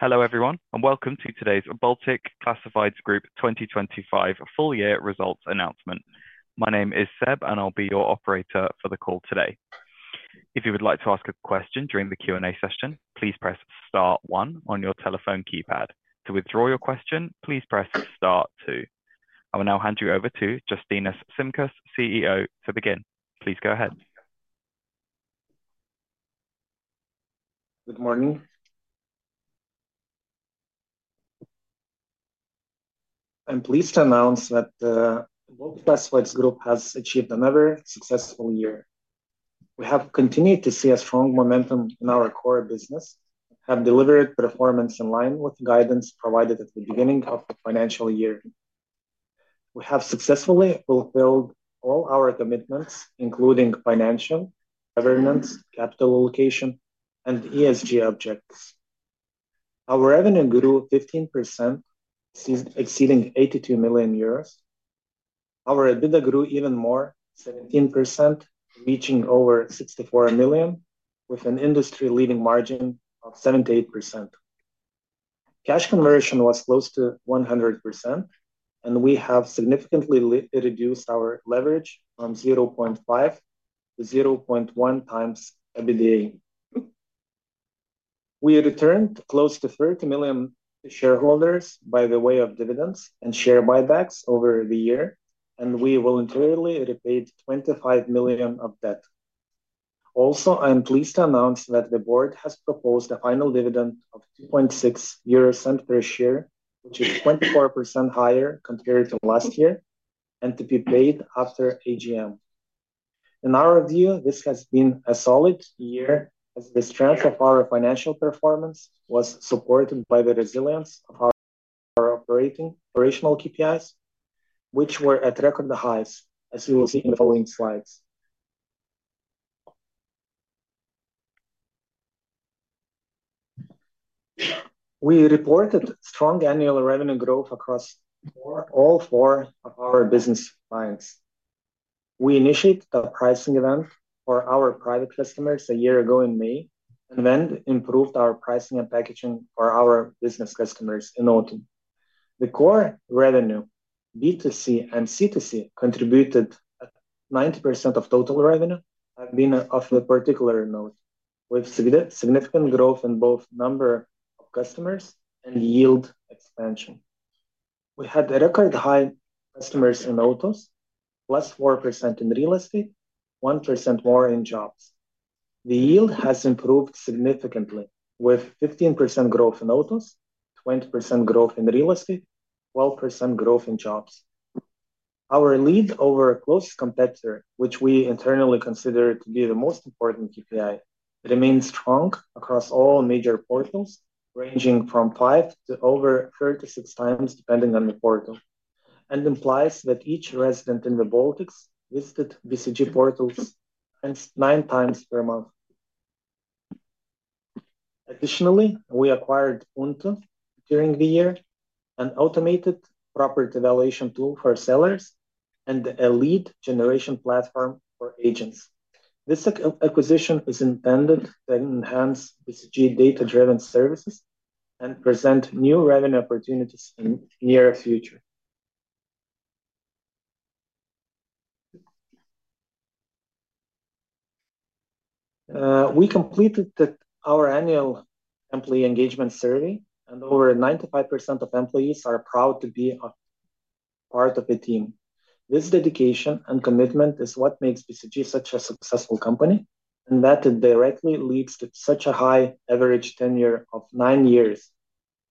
Hello everyone, and Welcome To Today's Baltic Classifieds Group 2025 full-year results announcement. My name is Seb, and I'll be your operator for the call today. If you would like to ask a question during the Q&A session, please press Star 1 on your telephone keypad. To withdraw your question, please press Star 2. I will now hand you over to Justinas Šimkus, CEO, to begin. Please go ahead. Good morning. I'm pleased to announce that the Baltic Classifieds Group has achieved another successful year. We have continued to see a strong momentum in our core business, have delivered performance in line with guidance provided at the beginning of the financial year. We have successfully fulfilled all our commitments, including financial, governance, capital allocation, and ESG objectives. Our revenue grew 15%, exceeding 82 million euros. Our EBITDA grew even more, 17%, reaching over 64 million, with an industry-leading margin of 78%. Cash conversion was close to 100%, and we have significantly reduced our leverage from 0.5 to 0.1 times EBITDA. We returned close to 30 million to shareholders by the way of dividends and share buybacks over the year, and we voluntarily repaid 25 million of debt. Also, I'm pleased to announce that the board has proposed a final dividend of 2.60 euro per share, which is 24% higher compared to last year, and to be paid after AGM. In our view, this has been a solid year, as the strength of our financial performance was supported by the resilience of our operational KPIs, which were at record highs, as you will see in the following slides. We reported strong annual revenue growth across all four of our business lines. We initiated a pricing event for our private customers a year ago in May and then improved our pricing and packaging for our business customers in auto. The core revenue, B2C and C2C, contributed 90% of total revenue. I've been offering a particular note with significant growth in both number of customers and yield expansion. We had record high customers in autos, plus 4% in real estate, 1% more in jobs. The yield has improved significantly, with 15% growth in autos, 20% growth in real estate, and 12% growth in jobs. Our lead over a close competitor, which we internally consider to be the most important KPI, remains strong across all major portals, ranging from 5 to 36 times depending on the portal, and implies that each resident in the Baltics visited BCG portals 9 times per month. Additionally, we acquired UNTO. lt during the year, an automated property valuation tool for sellers, and a lead generation platform for agents. This acquisition is intended to enhance BCG data-driven services and present new revenue opportunities in the near future. We completed our annual employee engagement survey, and over 95% of employees are proud to be part of the team. This dedication and commitment is what makes BCG such a successful company, and that directly leads to such a high average tenure of 9 years,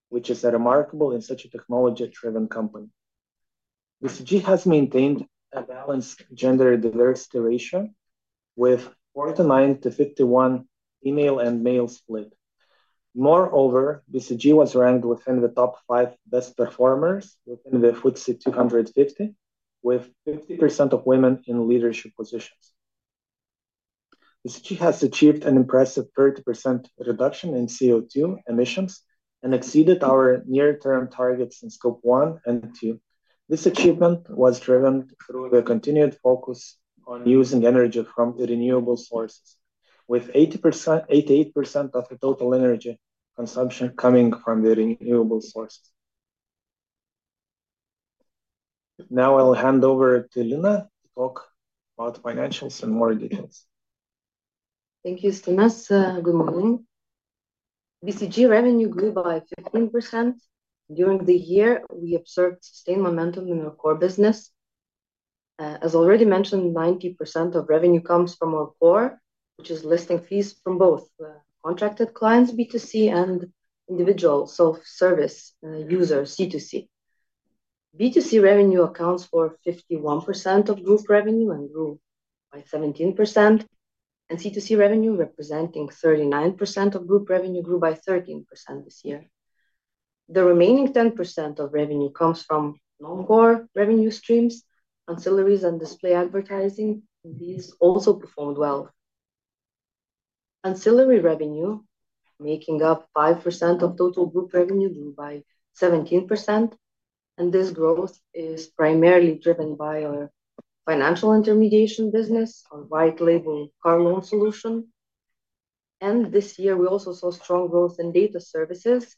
which is remarkable in such a technology-driven company. BCG has maintained a %balanced gender diversity ratio with 49% to 51% female and male split. Moreover, BCG was ranked within the top five best performers within the FTSE 250, with 50% of women in leadership positions. BCG has achieved an impressive 30% reduction in CO2 emissions and exceeded our near-term targets in Scope 1 and 2. This achievement was driven through the continued focus on using energy from renewable sources, with 88% of the total energy consumption coming from the renewable sources. Now I'll hand over to Lina to talk about financials in more detail. Thank you, Justinas. Good morning. BCG revenue grew by 15% during the year. We observed sustained momentum in our core business. As already mentioned, 90% of revenue comes from our core, which is listing fees from both contracted clients B2C and individual self-service users C2C. B2C revenue accounts for 51% of group revenue and grew by 17%, and C2C revenue, representing 39% of group revenue, grew by 13% this year. The remaining 10% of revenue comes from non-core revenue streams, ancillaries, and display advertising. These also performed well. Ancillary revenue, making up 5% of total group revenue, grew by 17%, and this growth is primarily driven by our financial intermediation business, our white label car loan solution. This year, we also saw strong growth in data services,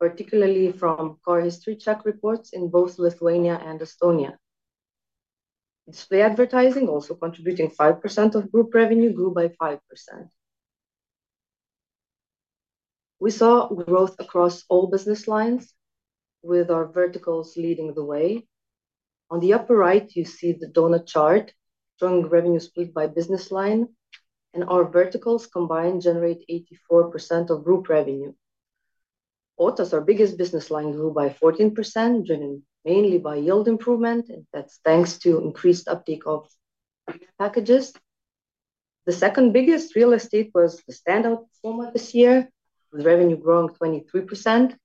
particularly from car history check reports in both Lithuania and Estonia. Display advertising, also contributing 5% of group revenue, grew by 5%. We saw growth across all business lines, with our verticals leading the way. On the upper right, you see the donor chart showing revenue split by business line, and our verticals combined generate 84% of group revenue. Autos, our biggest business line, grew by 14%, driven mainly by yield improvement, and that's thanks to increased uptake of packages. The second biggest, Real Estate, was the standout performer this year, with revenue growing 23%.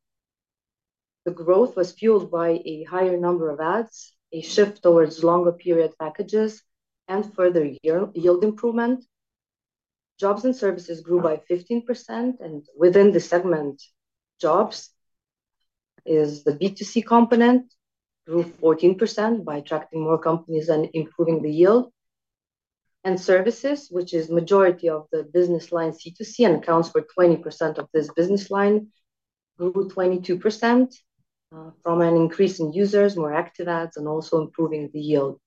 The growth was fueled by a higher number of ads, a shift towards longer period packages, and further yield improvement. Jobs and Services grew by 15%, and within the segment, Jobs is the B2C component, grew 14% by attracting more companies and improving the yield. Services, which is the majority of the business line C2C and accounts for 20% of this business line, grew 22% from an increase in users, more active ads, and also improving the yield.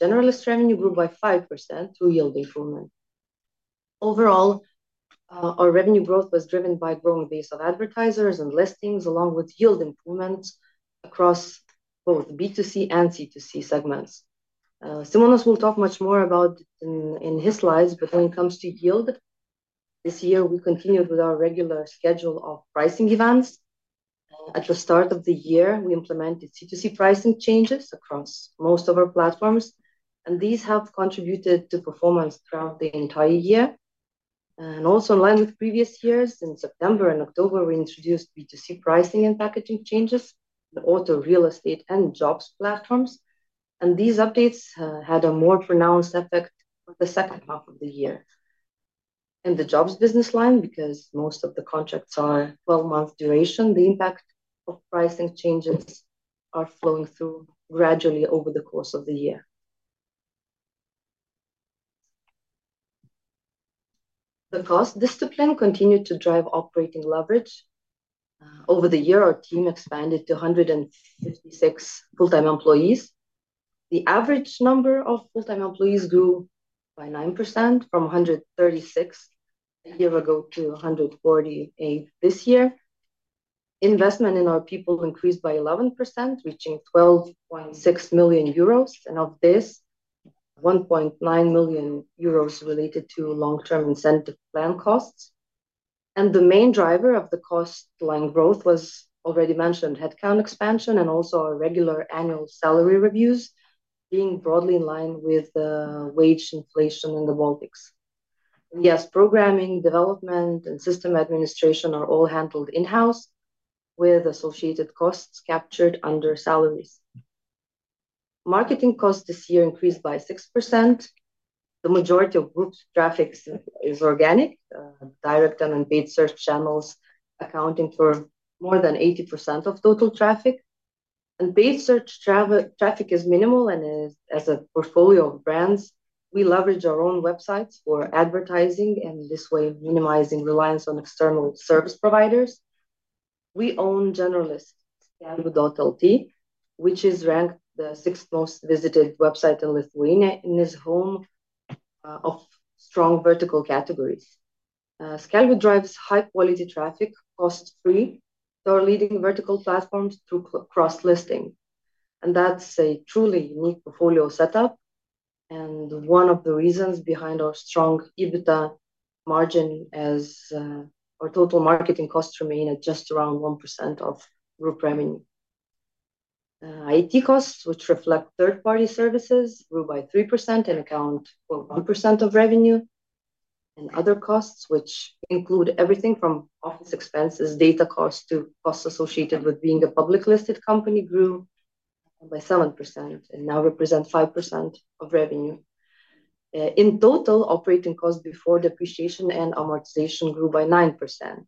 Generalist revenue grew by 5% through yield improvement. Overall, our revenue growth was driven by a growing base of advertisers and listings, along with yield improvements across both B2C and C2C segments. Simonas will talk much more about it in his slides, but when it comes to yield, this year we continued with our regular schedule of pricing events. At the start of the year, we implemented C2C pricing changes across most of our platforms, and these have contributed to performance throughout the entire year. Also, in line with previous years, in September and October, we introduced B2C pricing and packaging changes in auto, real estate, and jobs platforms. These updates had a more pronounced effect for the second half of the year. In the jobs business line, because most of the contracts are 12-month duration, the impact of pricing changes is flowing through gradually over the course of the year. The cost discipline continued to drive operating leverage. Over the year, our team expanded to 156 full-time employees. The average number of full-time employees grew by 9% from 136 a year ago to 148 this year. Investment in our people increased by 11%, reaching 12.6 million euros, and of this, 1.9 million euros related to long-term incentive plan costs. The main driver of the cost line growth was already mentioned: headcount expansion and also regular annual salary reviews being broadly in line with wage inflation in the Baltics. Programming, development, and system administration are all handled in-house, with associated costs captured under salaries. Marketing costs this year increased by 6%. The majority of group traffic is organic, direct and unpaid search channels, accounting for more than 80% of total traffic. Unpaid search traffic is minimal, and as a portfolio of brands, we leverage our own websites for advertising and this way minimizing reliance on external service providers. We own Generalist Skelbiu.lt, which is ranked the sixth most visited website in Lithuania in this home of strong vertical categories. Skelbiu drives high-quality traffic cost-free through our leading vertical platforms through cross-listing. That is a truly unique portfolio setup and one of the reasons behind our strong EBITDA margin, as our total marketing costs remain at just around 1% of group revenue. IT costs, which reflect third-party services, grew by 3% and account for 1% of revenue. Other costs, which include everything from office expenses, data costs, to costs associated with being a public-listed company, grew by 7% and now represent 5% of revenue. In total, operating costs before depreciation and amortization grew by 9%.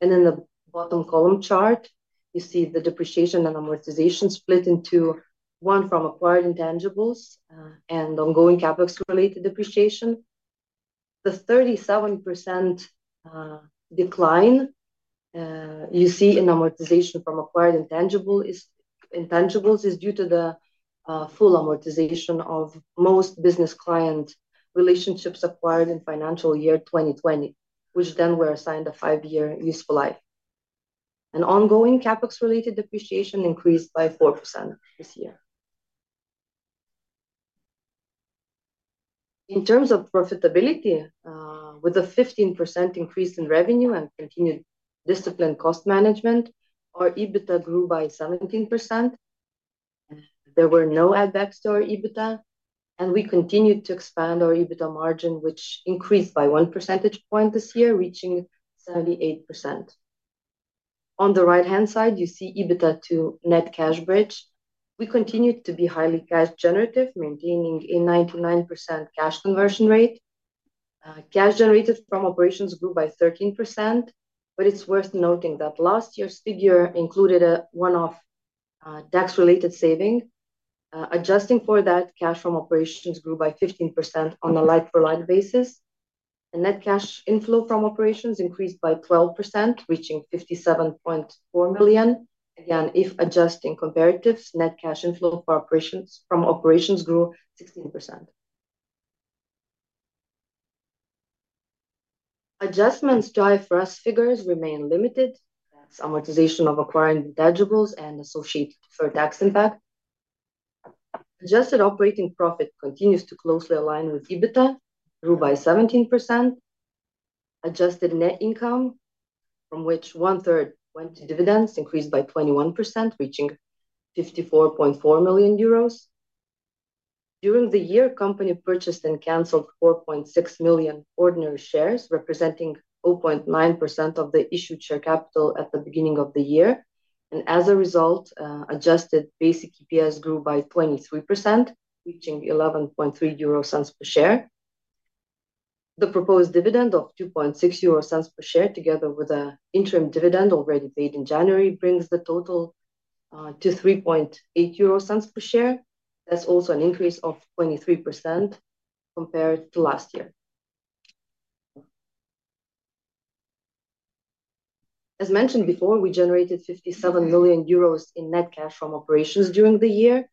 In the bottom column chart, you see the depreciation and amortization split into one from acquired intangibles and ongoing CapEx-related depreciation. The 37% decline you see in amortization from acquired intangibles is due to the full amortization of most business client relationships acquired in financial year 2020, which then were assigned a five-year useful life. Ongoing CapEx-related depreciation increased by 4% this year. In terms of profitability, with a 15% increase in revenue and continued discipline cost management, our EBITDA grew by 17%. There were no add-backs to our EBITDA, and we continued to expand our EBITDA margin, which increased by 1 percentage point this year, reaching 78%. On the right-hand side, you see EBITDA to net cash bridge. We continued to be highly cash-generative, maintaining a 99% cash conversion rate. Cash generated from operations grew by 13%, but it's worth noting that last year's figure included a one-off tax-related saving. Adjusting for that, cash from operations grew by 15% on a like-for-like basis. Net cash inflow from operations increased by 12%, reaching 57.4 million. Again, if adjusting comparatives, net cash inflow from operations grew 16%. Adjustments to IFRS figures remain limited, as amortization of acquired intangibles and associated deferred tax impact. Adjusted operating profit continues to closely align with EBITDA, grew by 17%. Adjusted net income, from which one-third went to dividends, increased by 21%, reaching 54.4 million euros. During the year, the company purchased and canceled 4.6 million ordinary shares, representing 0.9% of the issued share capital at the beginning of the year. As a result, adjusted basic EPS grew by 23%, reaching 11.3 euro per share. The proposed dividend of 2.6 euro per share, together with an interim dividend already paid in January, brings the total to 3.8 euro per share. That's also an increase of 23% compared to last year. As mentioned before, we generated 57 million euros in net cash from operations during the year.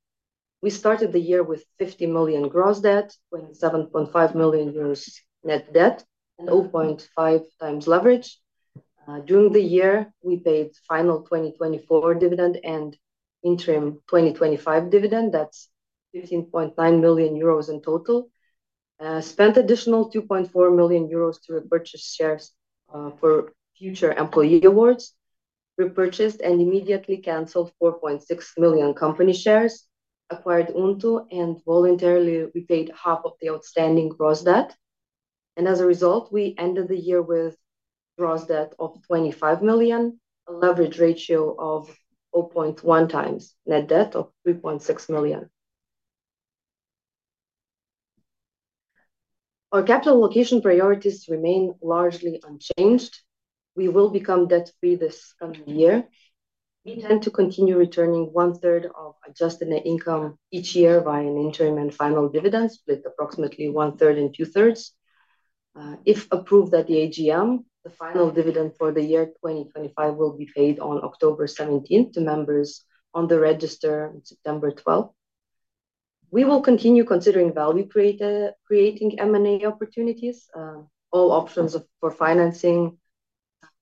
We started the year with 50 million gross debt, 27.5 million euros net debt, and 0.5 times leverage. During the year, we paid final 2024 dividend and interim 2025 dividend. That's 15.9 million euros in total. Spent additional 2.4 million euros to repurchase shares for future employee awards. Repurchased and immediately canceled 4.6 million company shares. Acquired UNTO.lt, and voluntarily repaid half of the outstanding gross debt. As a result, we ended the year with gross debt of 25 million, a leverage ratio of 0.1 times net debt of 3.6 million. Our capital allocation priorities remain largely unchanged. We will become debt-free this coming year. We intend to continue returning one-third of adjusted net income each year via an interim and final dividend split approximately 1/3 and 2/3. If approved at the AGM, the final dividend for the year 2025 will be paid on October 17 to members on the register on September 12. We will continue considering value-creating M&A opportunities. All options for financing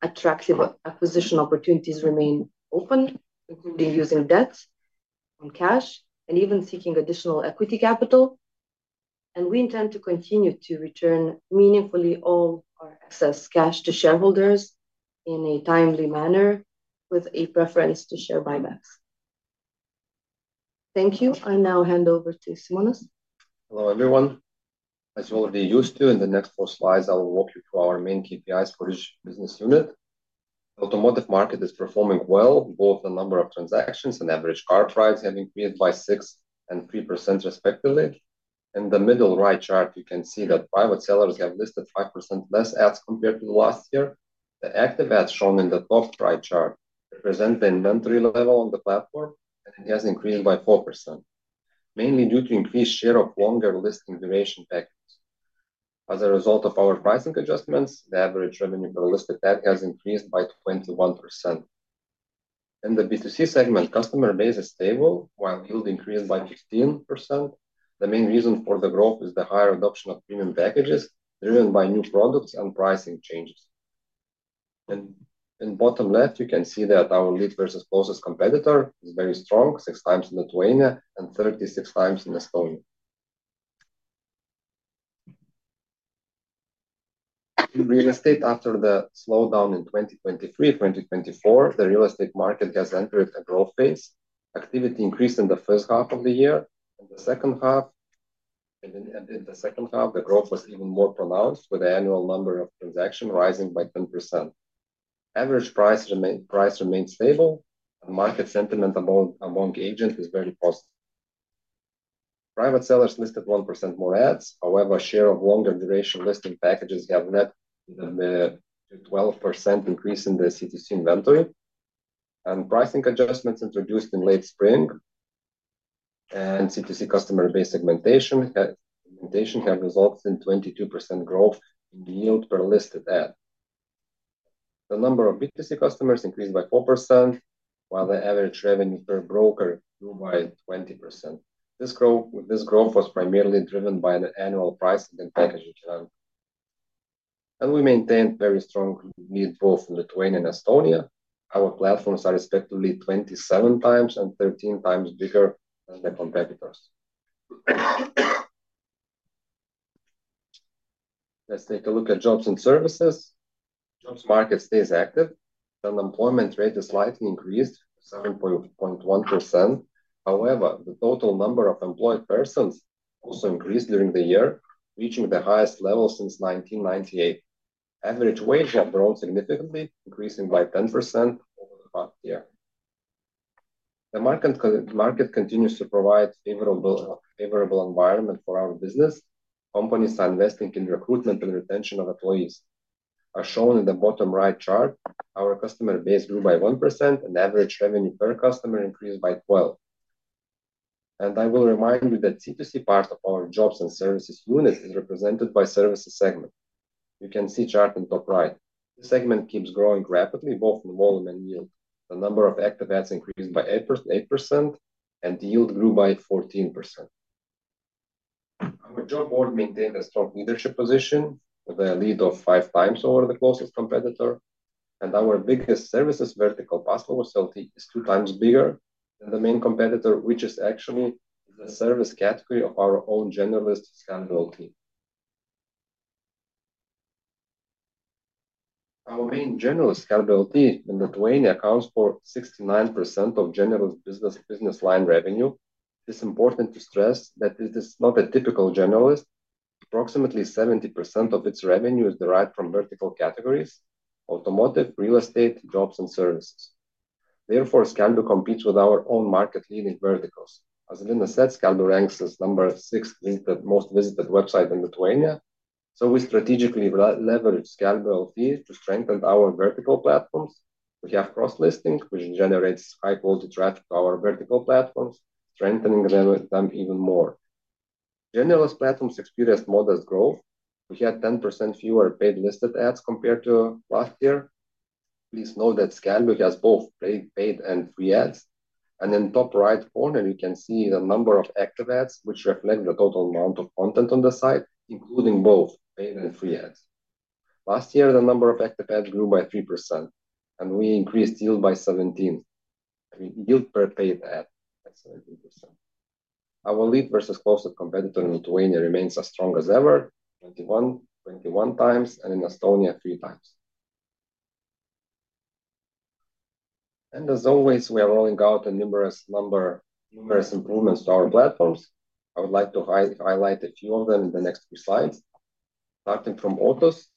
attractive acquisition opportunities remain open, including using debt on cash and even seeking additional equity capital. We intend to continue to return meaningfully all our excess cash to shareholders in a timely manner, with a preference to share buybacks. Thank you. I now hand over to Simonas. Hello everyone. As you've already been used to, in the next four slides, I will walk you through our main KPIs for each business unit. The automotive market is performing well, both the number of transactions and average car price having increased by 6% and 3% respectively. In the middle right chart, you can see that private sellers have listed 5% less ads compared to last year. The active ads shown in the top right chart represent the inventory level on the platform, and it has increased by 4%, mainly due to increased share of longer listing duration packages. As a result of our pricing adjustments, the average revenue per listed ad has increased by 21%. In the B2C segment, customer base is stable, while yield increased by 15%. The main reason for the growth is the higher adoption of premium packages driven by new products and pricing changes. In the bottom left, you can see that our lead versus closest competitor is very strong, six times in Lithuania and 36 times in Estonia. In real estate, after the slowdown in 2023 to 2024, the real estate market has entered a growth phase. Activity increased in the first half of the year. In the second half, the growth was even more pronounced, with the annual number of transactions rising by 10%. Average price remained stable, and market sentiment among agents is very positive. Private sellers listed 1% more ads. However, a share of longer duration listing packages has led to a 12% increase in the C2C inventory. Pricing adjustments introduced in late spring and C2C customer base segmentation have resulted in a 22% growth in the yield per listed ad. The number of B2C customers increased by 4%, while the average revenue per broker grew by 20%. This growth was primarily driven by the annual pricing and package adjustments. We maintained very strong need both in Lithuania and Estonia. Our platforms are respectively 27 times and 13 times bigger than the competitors. Let's take a look at jobs and services. The jobs market stays active. The unemployment rate has slightly increased to 7.1%. However, the total number of employed persons also increased during the year, reaching the highest level since 1998. Average wages have grown significantly, increasing by 10% over the past year. The market continues to provide a favorable environment for our business. Companies are investing in recruitment and retention of employees. As shown in the bottom right chart, our customer base grew by 1%, and average revenue per customer increased by 12%. I will remind you that the C2C part of our jobs and services unit is represented by the services segment. You can see the chart in the top right. This segment keeps growing rapidly, both in volume and yield. The number of active ads increased by 8%, and the yield grew by 14%. Our job board maintained a strong leadership position, with a lead of five times over the closest competitor. Our biggest services vertical, Paslaugos.lt, is two times bigger than the main competitor, which is actually the service category of our own generalist Skelbiu.lt. Our main generalist Skelbiu.lt in Lithuania accounts for 69% of generalist business line revenue. It is important to stress that this is not a typical generalist. Approximately 70% of its revenue is derived from vertical categories: automotive, real estate, jobs, and services. Therefore, Skelbiu.lt competes with our own market-leading verticals. As Lina said, Skelbiu.lt ranks as the number six most visited website in Lithuania. We strategically leveraged Skelbiu.lt to strengthen our vertical platforms. We have cross-listing, which generates high-quality traffic to our vertical platforms, strengthening them even more. Generalist platforms experienced modest growth. We had 10% fewer paid listed ads compared to last year. Please note that Skelbiu.lt has both paid and free ads. In the top right corner, you can see the number of active ads, which reflect the total amount of content on the site, including both paid and free ads. Last year, the number of active ads grew by 3%, and we increased yield by 17%. I mean, yield per paid ad by 17%. Our lead versus closest competitor in Lithuania remains as strong as ever, 21 times, and in Estonia, three times. We are rolling out numerous improvements to our platforms. I would like to highlight a few of them in the next few slides. Starting from Autos,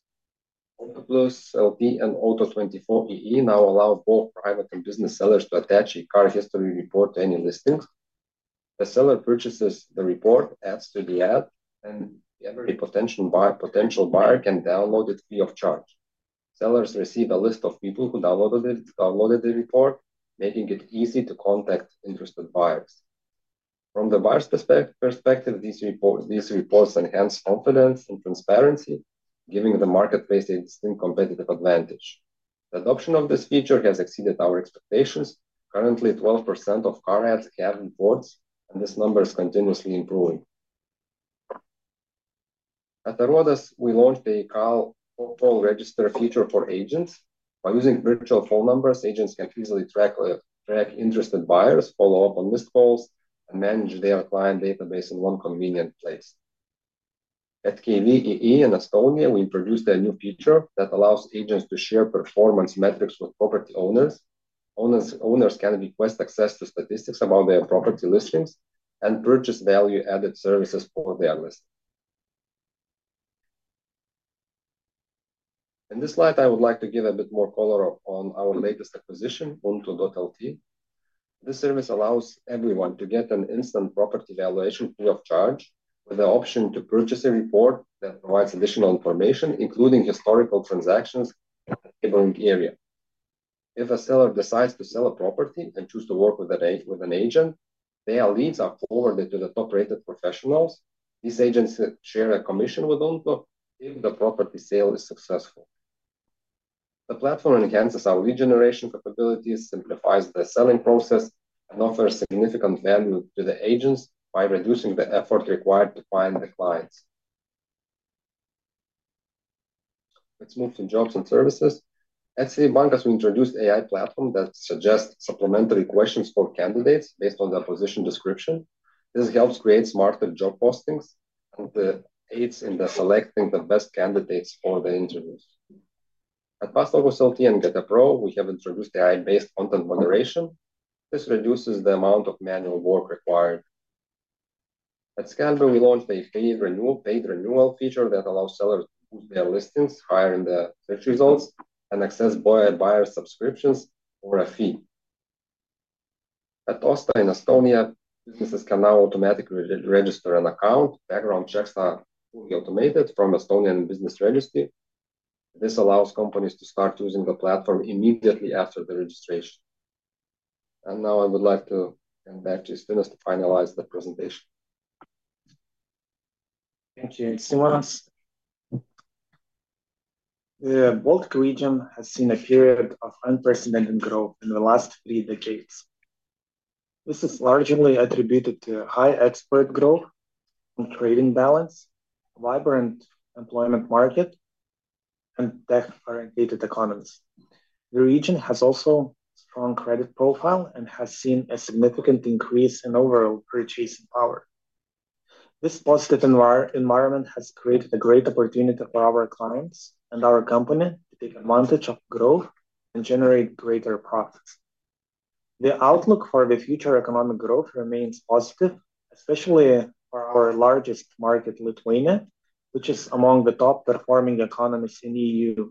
Autoplius.lt and Auto24.ee now allow both private and business sellers to attach a car history report to any listings. The seller purchases the report, adds to the ad, and every potential buyer can download it free of charge. Sellers receive a list of people who downloaded the report, making it easy to contact interested buyers. From the buyer's perspective, these reports enhance confidence and transparency, giving the marketplace a distinct competitive advantage. The adoption of this feature has exceeded our expectations. Currently, 12% of car ads have reports, and this number is continuously improving. At Aruodas.lt, we launched a call register feature for agents. By using virtual phone numbers, agents can easily track interested buyers, follow up on missed calls, and manage their client database in one convenient place. At KV.ee in Estonia, we introduced a new feature that allows agents to share performance metrics with property owners. Owners can request access to statistics about their property listings and purchase value-added services for their listing. In this slide, I would like to give a bit more color on our latest acquisition, UNTO.lt. This service allows everyone to get an instant property valuation free of charge, with the option to purchase a report that provides additional information, including historical transactions and neighboring area. If a seller decides to sell a property and chooses to work with an agent, their leads are forwarded to the top-rated professionals. These agents share a commission with UNTO if the property sale is successful. The platform enhances our lead generation capabilities, simplifies the selling process, and offers significant value to the agents by reducing the effort required to find the clients. Let's move to jobs and services. At CVbankas.lt, we introduced an AI platform that suggests supplementary questions for candidates based on the position description. This helps create smarter job postings and aids in selecting the best candidates for the interviews. At Paslaugos.lt and GetAPro, we have introduced AI-based content moderation. This reduces the amount of manual work required. At Skelbiu.lt, we launched a paid renewal feature that allows sellers to boost their listings higher in the search results and access buyer subscriptions for a fee. At Osta.ee in Estonia, businesses can now automatically register an account. Background checks are fully automated from Estonian business registry. This allows companies to start using the platform immediately after the registration. I would like to hand back to Simonas to finalize the presentation. Thank you, Simonas. The Baltic region has seen a period of unprecedented growth in the last three decades. This is largely attributed to high export growth, trading balance, a vibrant employment market, and tech-oriented economies. The region has also a strong credit profile and has seen a significant increase in overall purchasing power. This positive environment has created a great opportunity for our clients and our company to take advantage of growth and generate greater profits. The outlook for the future economic growth remains positive, especially for our largest market, Lithuania, which is among the top-performing economies in the EU.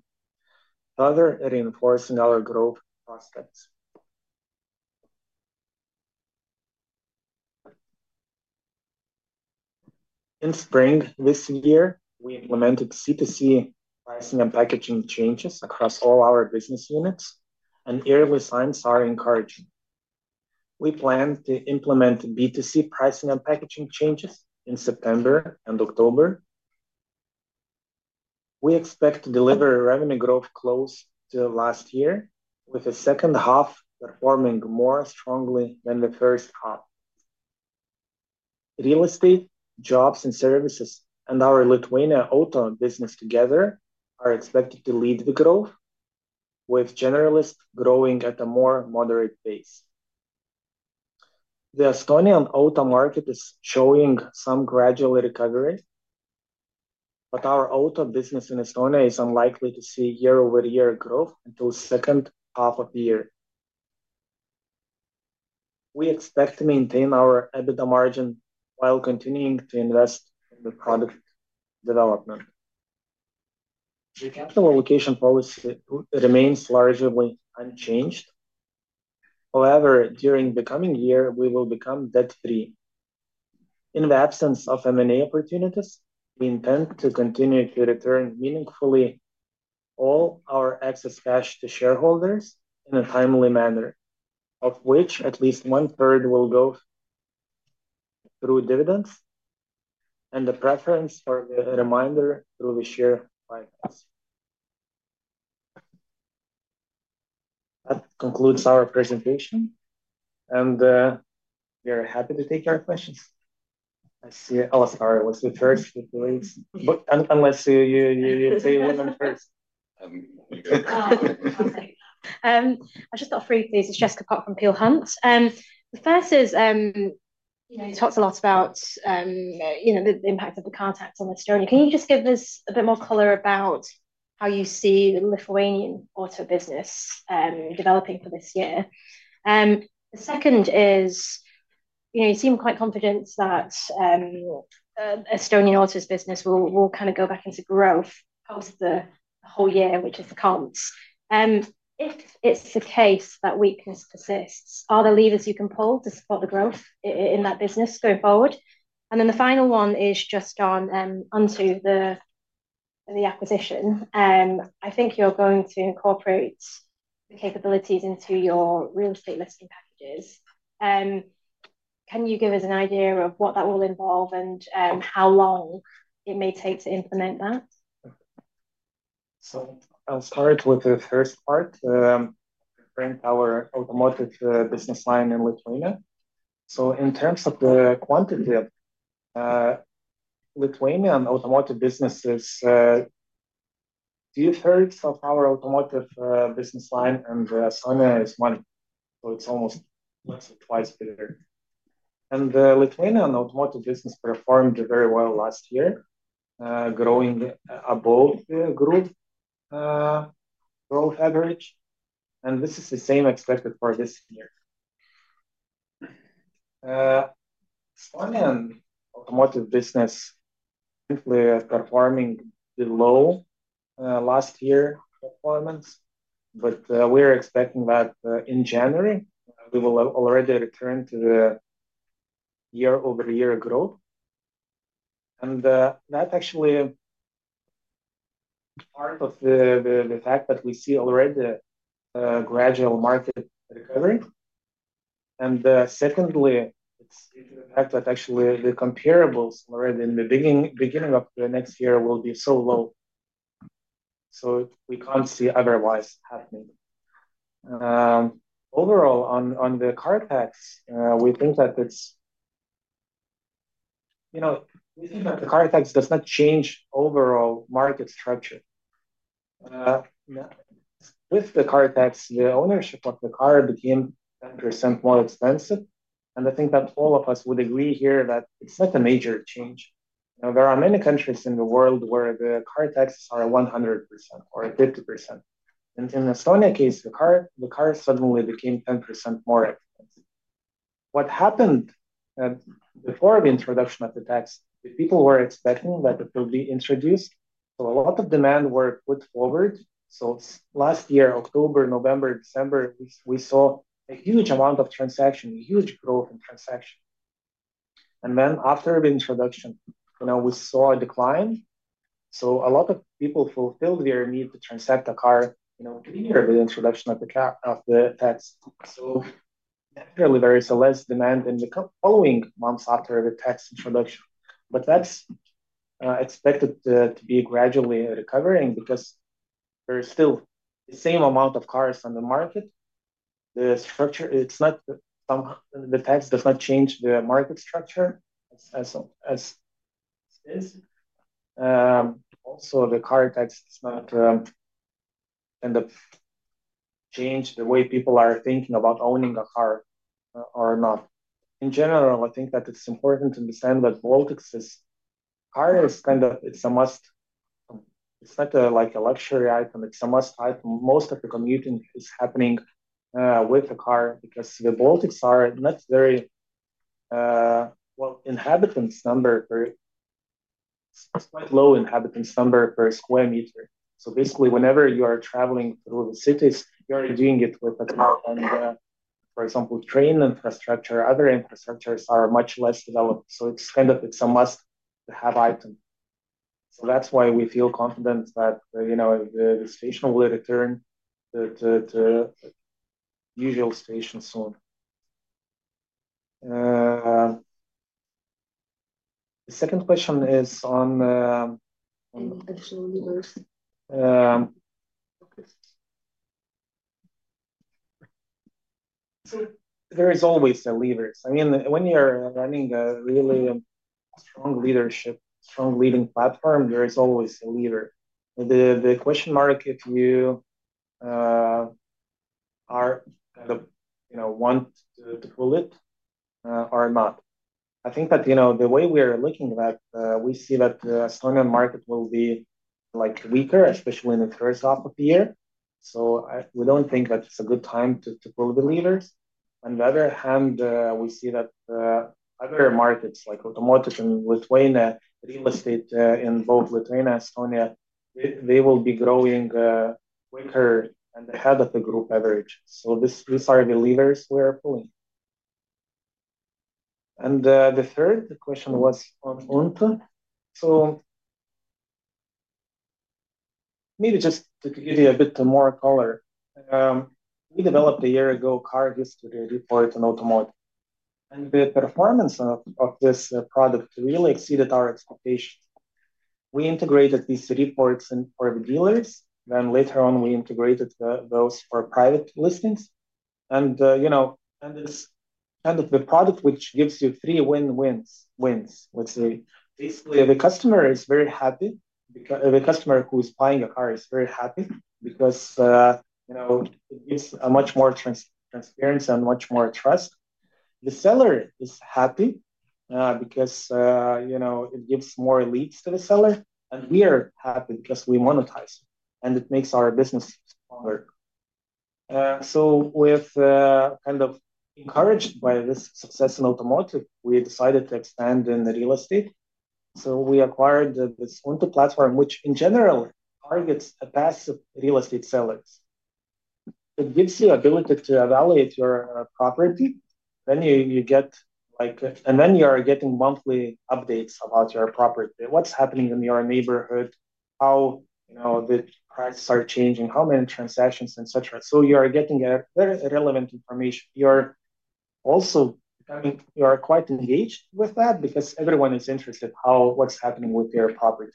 Further reinforcing our growth prospects. In spring this year, we implemented C2C pricing and packaging changes across all our business units, and early signs are encouraging. We plan to implement B2C pricing and packaging changes in September and October. We expect to deliver a revenue growth close to last year, with the second half performing more strongly than the first half. Real estate, jobs, and services, and our Lithuania OTA business together are expected to lead the growth, with generalists growing at a more moderate pace. The Estonian OTA market is showing some gradual recovery, but our OTA business in Estonia is unlikely to see year-over-year growth until the second half of the year. We expect to maintain our EBITDA margin while continuing to invest in the product development. The capital allocation policy remains largely unchanged. However, during the coming year, we will become debt-free. In the absence of M&A opportunities, we intend to continue to return meaningfully all our excess cash to shareholders in a timely manner, of which at least 1/3 will go through dividends and the preference for the remainder through the share finance. That concludes our presentation, and we are happy to take your questions. I see Oskar was the first to raise, unless you say one first. I'll just offer you these. It's Jessica Pok from Peel Hunt. The first is, you talked a lot about the impact of the contacts on Estonia. Can you just give us a bit more color about how you see the Lithuanian auto business developing for this year? The second is, you seem quite confident that Estonian auto's business will kind of go back into growth post the whole year, which is the comps. If it's the case that weakness persists, are there levers you can pull to support the growth in that business going forward? The final one is just onto the acquisition. I think you're going to incorporate the capabilities into your real estate listing packages. Can you give us an idea of what that will involve and how long it may take to implement that? I'll start with the first part. We're going to bring our automotive business line in Lithuania. In terms of the quantity, Lithuanian automotive businesses, two-thirds of our automotive business line in Estonia is one. It's almost twice bigger. The Lithuanian automotive business performed very well last year, growing above the growth average. This is the same expected for this year. Estonian automotive business is currently performing below last year's performance, but we're expecting that in January, we will already return to the year-over-year growth. That's actually part of the fact that we see already a gradual market recovery. Secondly, it's due to the fact that actually the comparables already in the beginning of the next year will be so low. We can't see otherwise happening. Overall, on the car tax, we think that it is—we think that the car tax does not change overall market structure. With the car tax, the ownership of the car became 10% more expensive. I think that all of us would agree here that it is not a major change. There are many countries in the world where the car taxes are 100% or 50%. In Estonia's case, the car suddenly became 10% more expensive. What happened before the introduction of the tax? People were expecting that it would be introduced. A lot of demand was put forward. Last year, October, November, December, we saw a huge amount of transaction, huge growth in transaction. After the introduction, we saw a decline. A lot of people fulfilled their need to transact a car clearer with the introduction of the tax. Naturally, there is less demand in the following months after the tax introduction. That is expected to be gradually recovering because there is still the same amount of cars on the market. The structure, it is not—the tax does not change the market structure as is. Also, the car tax does not kind of change the way people are thinking about owning a car or not. In general, I think that it is important to understand that Baltics' car is kind of—it is a must. It is not like a luxury item. It is a must item. Most of the commuting is happening with a car because the Baltics are not very—well, inhabitants number, it is quite low inhabitants number per square meter. Basically, whenever you are traveling through the cities, you are doing it with a car. For example, train infrastructure, other infrastructures are much less developed. It is kind of—it is a must-to-have item. That is why we feel confident that the station will return to the usual station soon. The second question is on— Actual leaders. There is always a leader. I mean, when you're running a really strong leadership, strong leading platform, there is always a leader. The question mark is if you want to pull it or not. I think that the way we are looking at that, we see that the Estonian market will be weaker, especially in the first half of the year. We do not think that it is a good time to pull the leaders. On the other hand, we see that other markets like automotive in Lithuania, real estate in both Lithuania and Estonia, they will be growing quicker and ahead of the group average. These are the leaders we are pulling. The third question was on UNTO. Maybe just to give you a bit more color, we developed a year ago a car history report on automotive. The performance of this product really exceeded our expectations. We integrated these reports for the dealers. Later on, we integrated those for private listings. It is kind of the product which gives you three win-wins, let's say. Basically, the customer is very happy. The customer who is buying a car is very happy because it gives much more transparency and much more trust. The seller is happy because it gives more leads to the seller. We are happy because we monetize, and it makes our business stronger. Kind of encouraged by this success in automotive, we decided to expand in real estate. We acquired this UNTO.lt platform, which in general targets passive real estate sellers. It gives you the ability to evaluate your property. You are getting monthly updates about your property. What is happening in your neighborhood? How the prices are changing? How many transactions, etc.? You are getting very relevant information. You are also becoming—you are quite engaged with that because everyone is interested in what's happening with their property.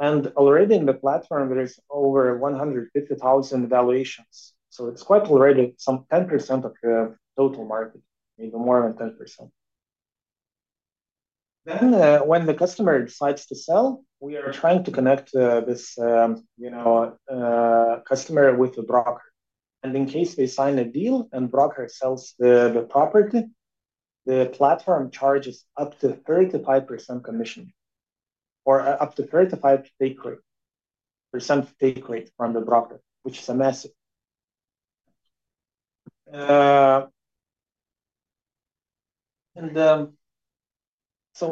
Already in the platform, there are over 150,000 valuations. It is quite already some 10% of the total market, maybe more than 10%. When the customer decides to sell, we are trying to connect this customer with a broker. In case they sign a deal and the broker sells the property, the platform charges up to 35% commission or up to 35% take rate from the broker, which is massive.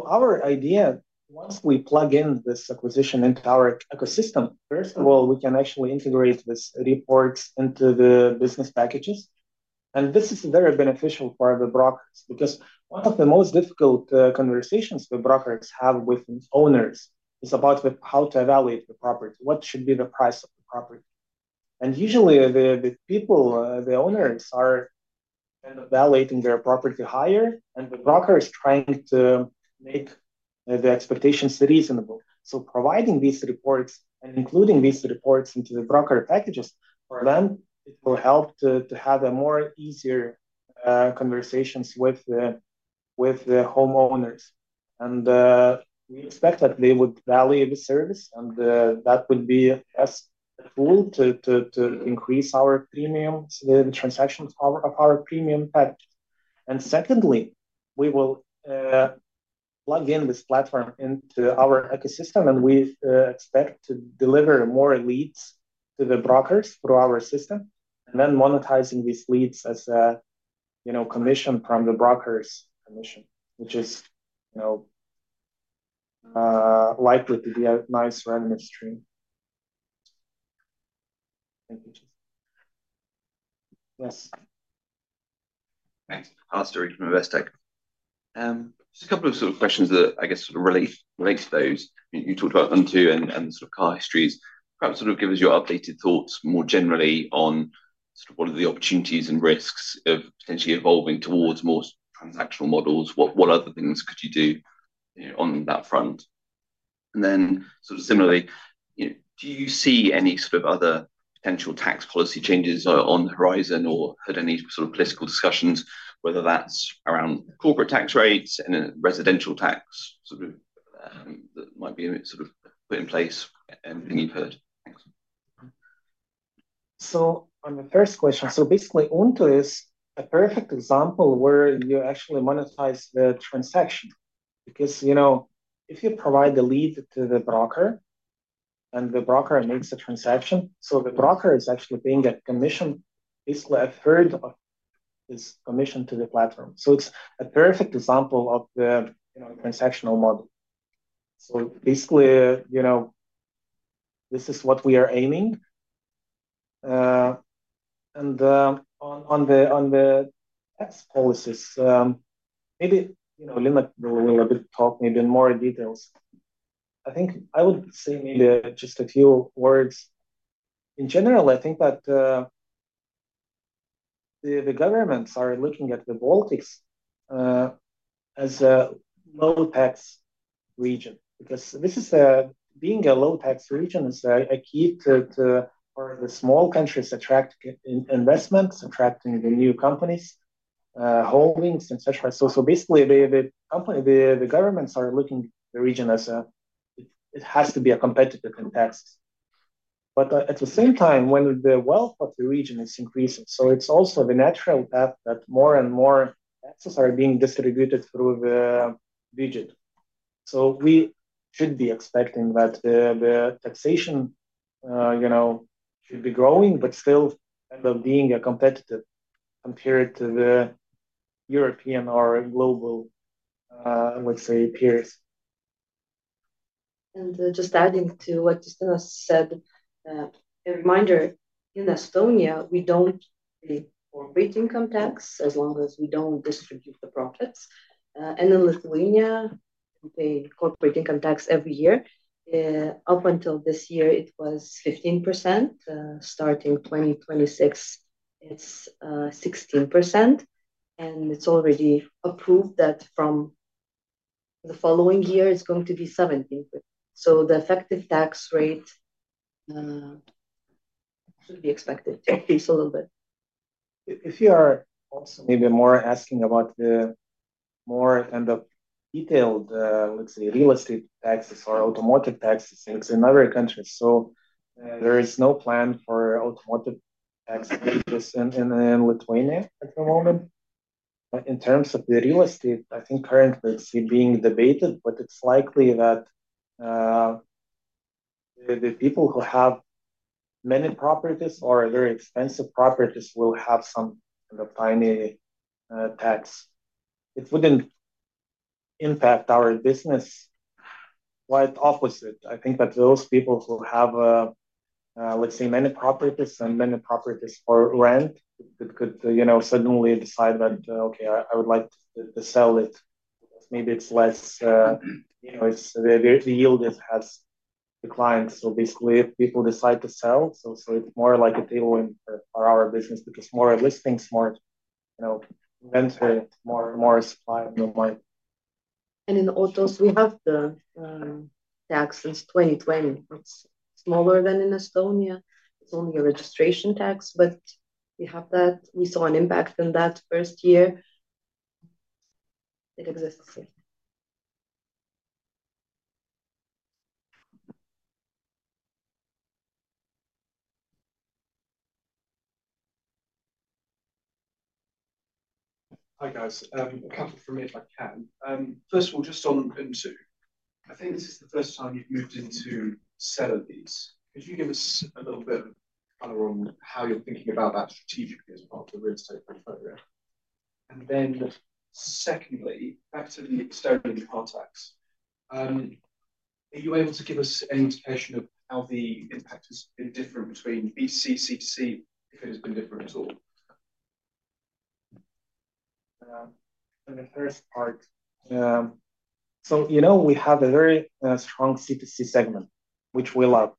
Our idea, once we plug in this acquisition into our ecosystem, is first of all, we can actually integrate these reports into the business packages. This is very beneficial for the brokers because one of the most difficult conversations the brokers have with owners is about how to evaluate the property, what should be the price of the property. Usually, the people, the owners, are kind of valuating their property higher, and the broker is trying to make the expectations reasonable. Providing these reports and including these reports into the broker packages, for them, it will help to have more easier conversations with the homeowners. We expect that they would value the service, and that would be a tool to increase our premium, the transaction power of our premium package. Secondly, we will plug in this platform into our ecosystem, and we expect to deliver more leads to the brokers through our system, and then monetizing these leads as a commission from the broker's commission, which is likely to be a nice revenue stream. Thank you. Yes. Thanks. Oskar from Investec. Just a couple of sort of questions that I guess sort of relate to those. You talked about UNTO and sort of car histories. Perhaps sort of give us your updated thoughts more generally on sort of what are the opportunities and risks of potentially evolving towards more transactional models? What other things could you do on that front? Then sort of similarly, do you see any sort of other potential tax policy changes on the horizon or heard any sort of political discussions, whether that's around corporate tax rates and residential tax sort of that might be sort of put in place? Anything you've heard? Thanks. On the first question, basically, UNTO is a perfect example where you actually monetize the transaction because if you provide the lead to the broker and the broker makes a transaction, the broker is actually paying a commission, basically a third of this commission to the platform. It is a perfect example of the transactional model. Basically, this is what we are aiming. On the tax policies, maybe Lina will talk in more detail. I think I would say just a few words. In general, I think that the governments are looking at the Baltics as a low-tax region because being a low-tax region is key for the small countries attracting investments, attracting new companies, holdings, etc. Basically, the governments are looking at the region as it has to be a competitor in taxes. At the same time, when the wealth of the region is increasing, so it's also the natural path that more and more taxes are being distributed through the budget. We should be expecting that the taxation should be growing, but still kind of being a competitor compared to the European or global, let's say, peers. Just adding to what Justinas said, a reminder, in Estonia, we do not pay corporate income tax as long as we do not distribute the profits. In Lithuania, we pay corporate income tax every year. Up until this year, it was 15%. Starting 2026, it is 16%. It is already approved that from the following year, it is going to be 17%. The effective tax rate should be expected to increase a little bit. If you are also maybe more asking about the more kind of detailed, let's say, real estate taxes or automotive taxes in other countries, there is no plan for automotive tax in Lithuania at the moment. In terms of the real estate, I think currently it's being debated, but it's likely that the people who have many properties or very expensive properties will have some kind of tiny tax. It would not impact our business. Quite the opposite. I think that those people who have, let's say, many properties and many properties for rent, they could suddenly decide that, "Okay, I would like to sell it." Maybe it's less—the yield has declined. Basically, if people decide to sell, it's more like a tailwind for our business because more listings, more inventory, more supply might. In autos, we have the tax since 2020. It is smaller than in Estonia. It is only a registration tax, but we have that. We saw an impact in that first year. It exists. Hi, guys. A couple from me if I can. First of all, just on UNTO.lt. I think this is the first time you've moved into seller leads. Could you give us a little bit of color on how you're thinking about that strategically as part of the real estate portfolio? Secondly, back to the Estonian car tax. Are you able to give us any indication of how the impact has been different between B2C, C2C, if it has been different at all? In the first part, we have a very strong C2C segment, which we love.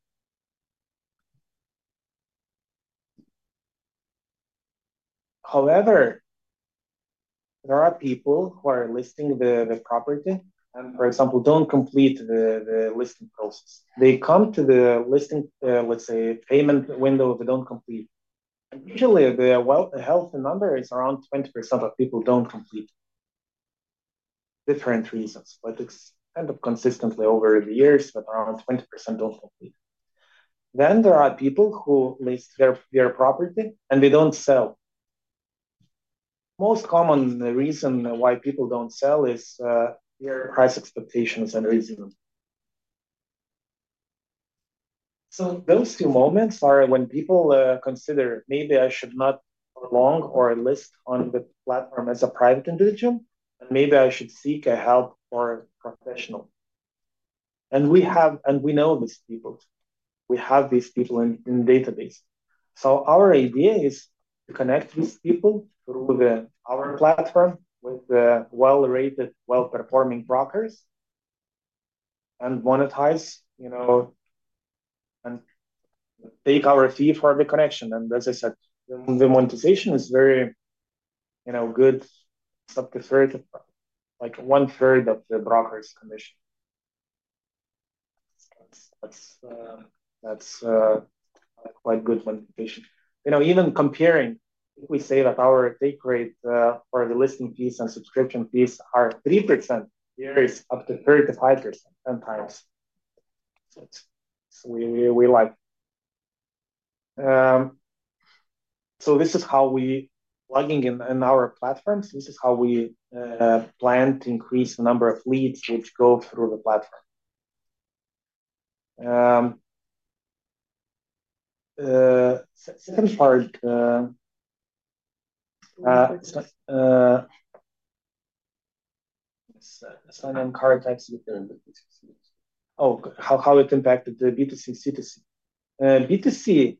However, there are people who are listing the property and, for example, do not complete the listing process. They come to the listing, let's say, payment window if they do not complete. Usually, the healthy number is around 20% of people do not complete for different reasons, but it is kind of consistently over the years, but around 20% do not complete. There are people who list their property, and they do not sell. The most common reason why people do not sell is their price expectations and reasoning. Those two moments are when people consider maybe I should not prolong or list on the platform as a private individual, and maybe I should seek help or a professional. We know these people. We have these people in the database. Our idea is to connect these people through our platform with well-rated, well-performing brokers and monetize and take our fee for the connection. As I said, the monetization is very good, up to 1/3 of the broker's commission. That is quite good monetization. Even comparing, if we say that our take rate for the listing fees and subscription fees are 3%, here it is up to 35% sometimes. We like that. This is how we are plugging in our platforms. This is how we plan to increase the number of leads which go through the platform. Second part. How it impacted the B2C, C2C.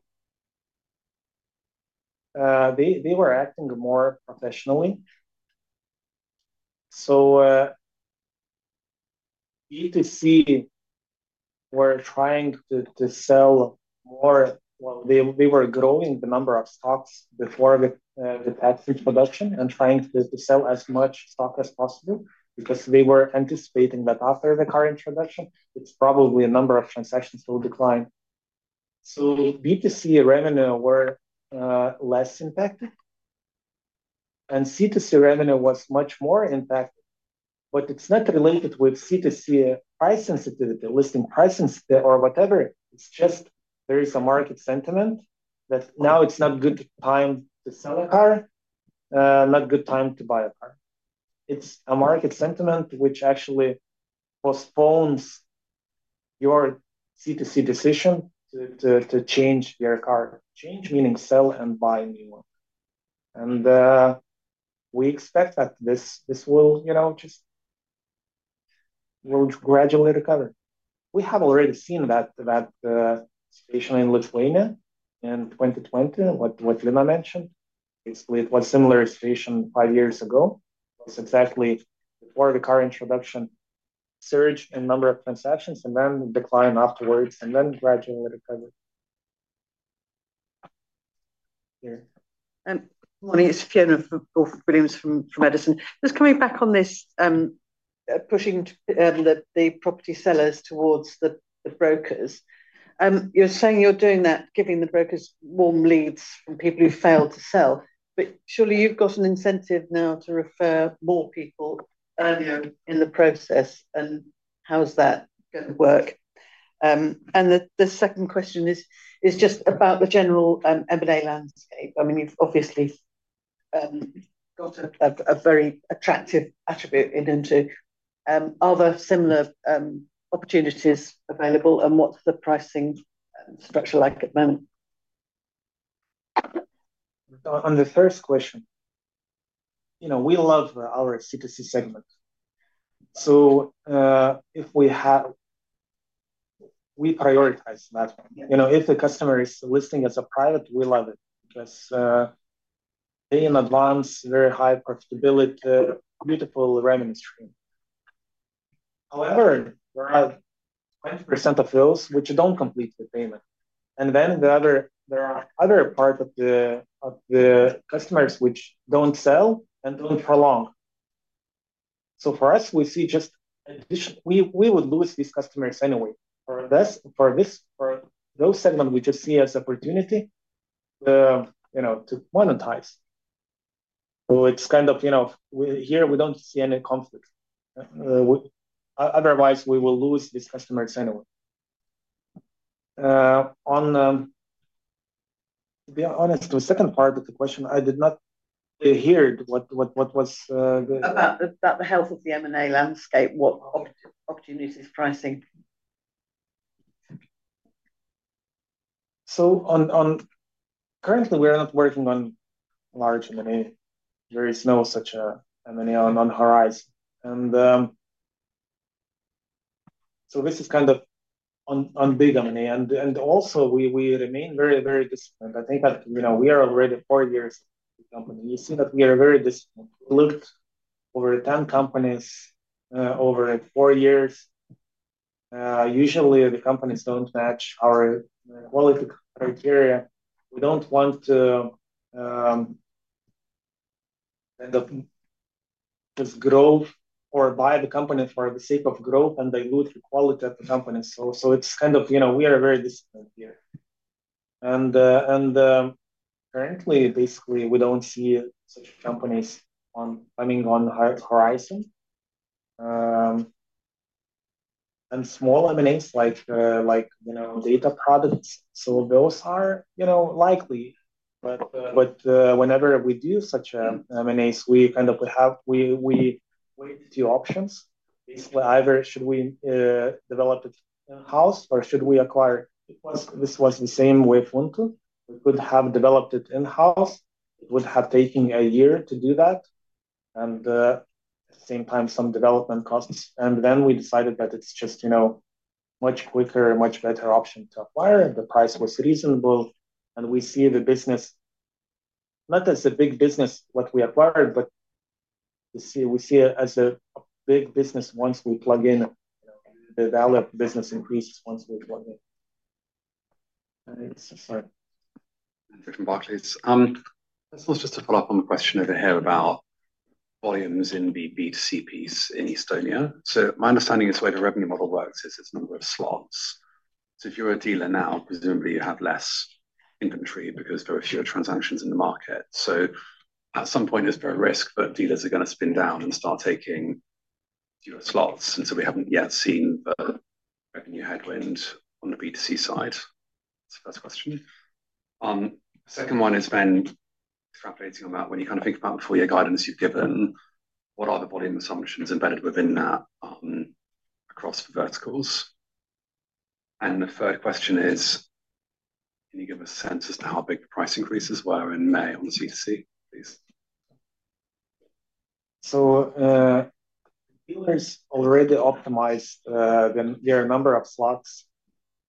B2C, they were acting more professionally. B2C were trying to sell more; they were growing the number of stocks before the tax introduction and trying to sell as much stock as possible because they were anticipating that after the current introduction, it's probably a number of transactions will decline. B2C revenue were less impacted, and C2C revenue was much more impacted. It is not related with C2C price sensitivity, listing price sensitivity or whatever. There is a market sentiment that now it's not a good time to sell a car, not a good time to buy a car. It's a market sentiment which actually postpones your C2C decision to change your car. Change meaning sell and buy a new one. We expect that this will just gradually recover. We have already seen that situation in Lithuania in 2020, what Lina mentioned. Basically, it was a similar situation five years ago. It was exactly before the car introduction, surge in number of transactions, and then decline afterwards, and then gradually recover. Monique, if you can go for Williams from Edison. Just coming back on this pushing the property sellers towards the brokers. You're saying you're doing that, giving the brokers warm leads from people who fail to sell. Surely you've got an incentive now to refer more people earlier in the process, and how's that going to work? The second question is just about the general M&A landscape. I mean, you've obviously got a very attractive attribute in UNTO. Are there similar opportunities available, and what's the pricing structure like at the moment? On the first question, we love our C2C segment. If we have, we prioritize that. If the customer is listing as a private, we love it because paying in advance, very high profitability, beautiful revenue stream. However, there are 20% of those which do not complete the payment. There are other parts of the customers which do not sell and do not prolong. For us, we see just additional we would lose these customers anyway. For those segments, we just see as opportunity to monetize. It is kind of here we do not see any conflict. Otherwise, we will lose these customers anyway. To be honest, the second part of the question, I did not hear what was. About the health of the M&A landscape, what opportunities is pricing? Currently, we're not working on large M&A. There is no such M&A on the horizon. This is kind of on big M&A. Also, we remain very, very disciplined. I think that we are already four years with the company. You see that we are very disciplined. We looked over 10 companies over four years. Usually, the companies do not match our quality criteria. We do not want to just grow or buy the company for the sake of growth and dilute the quality of the company. We are very disciplined here. Currently, basically, we do not see such companies coming on the horizon. Small M&As like data products, those are likely. Whenever we do such M&As, we weigh the two options. Basically, either should we develop it in-house or should we acquire? This was the same with UNTO.lt. We could have developed it in-house. It would have taken a year to do that. At the same time, some development costs. We decided that it is just a much quicker, much better option to acquire. The price was reasonable. We see the business not as a big business, what we acquired, but we see it as a big business once we plug in. The value of the business increases once we plug in. Sorry. Thanks, Mr. Bartlett. I suppose just to follow up on the question over here about volumes in the B2C piece in Estonia. My understanding is the way the revenue model works is it's a number of slots. If you're a dealer now, presumably you have less inventory because there are fewer transactions in the market. At some point, it's very risk, but dealers are going to spin down and start taking fewer slots. We have not yet seen the revenue headwind on the B2C side. That's the first question. The second one is extrapolating on that. When you kind of think about the four-year guidance you've given, what are the volume assumptions embedded within that across the verticals? The third question is, can you give us a sense as to how big the price increases were in May on the C2C, please? Dealers already optimized their number of slots.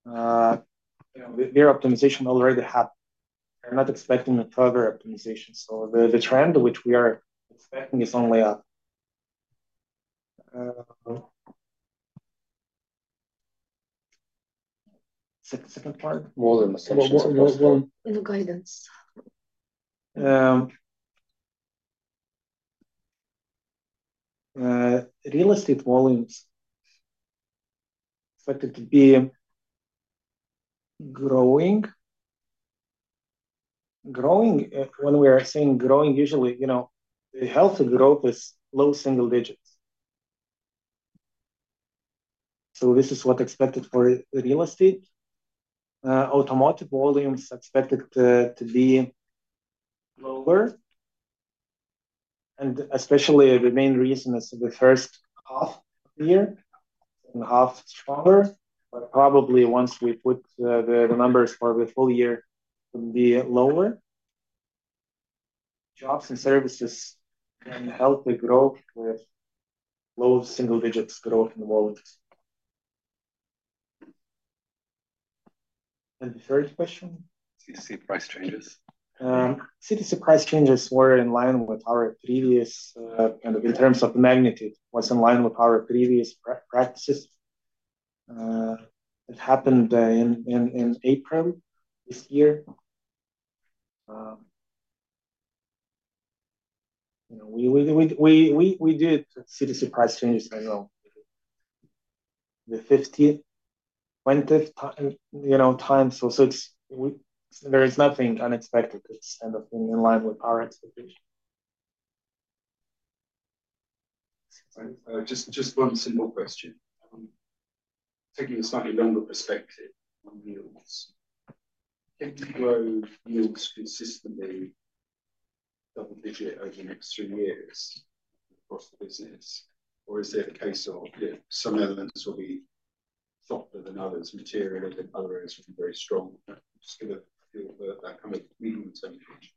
Their optimization already happened. They're not expecting further optimization. The trend which we are expecting is only up. Second part? Volume assumptions. In the guidance. Real estate volumes expected to be growing. When we are saying growing, usually the healthy growth is low single digits. This is what is expected for real estate. Automotive volumes expected to be lower. The main reason is the first half of the year, second half stronger. Probably once we put the numbers for the full year, it would be lower. Jobs and services can help the growth with low single digits growth in the volumes. The third question. C2C price changes? C2C price changes were in line with our previous, kind of, in terms of magnitude, was in line with our previous practices. It happened in April this year. We did C2C price changes as well. The 15th, 20th time. So there is nothing unexpected. It is kind of in line with our expectation. Just one simple question. Taking a slightly longer perspective on yields, can you grow yields consistently double-digit over the next three years across the business? Or is there a case of some elements will be softer than others, material in other areas will be very strong? Just give a feel for that kind of medium-term picture.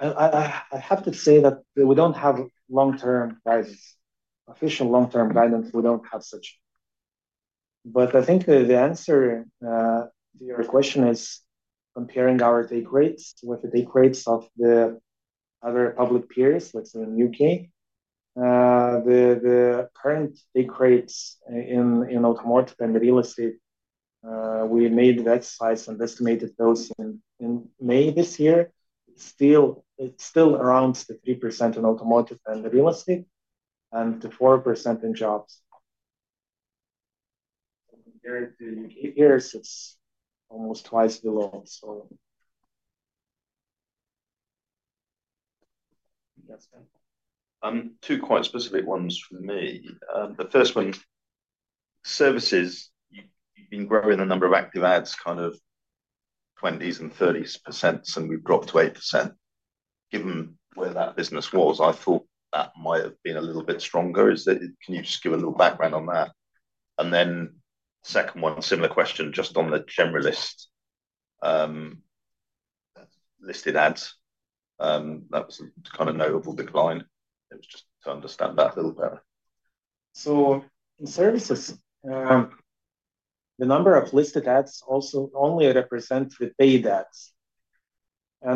I have to say that we don't have long-term guidance. Official long-term guidance, we don't have such. I think the answer to your question is comparing our take rates with the take rates of the other public peers, let's say in the U.K. The current take rates in automotive and real estate, we made that size and estimated those in May this year. It's still around 3% in automotive and real estate and 4% in jobs. Compared to the U.K. peers, it's almost twice below. Two quite specific ones for me. The first one, services, you've been growing the number of active ads kind of 20% to 30%, and we've dropped to 8%. Given where that business was, I thought that might have been a little bit stronger. Can you just give a little background on that? The second one, similar question, just on the generalist listed ads. That was a kind of notable decline. It was just to understand that a little better. In services, the number of listed ads also only represents the paid ads.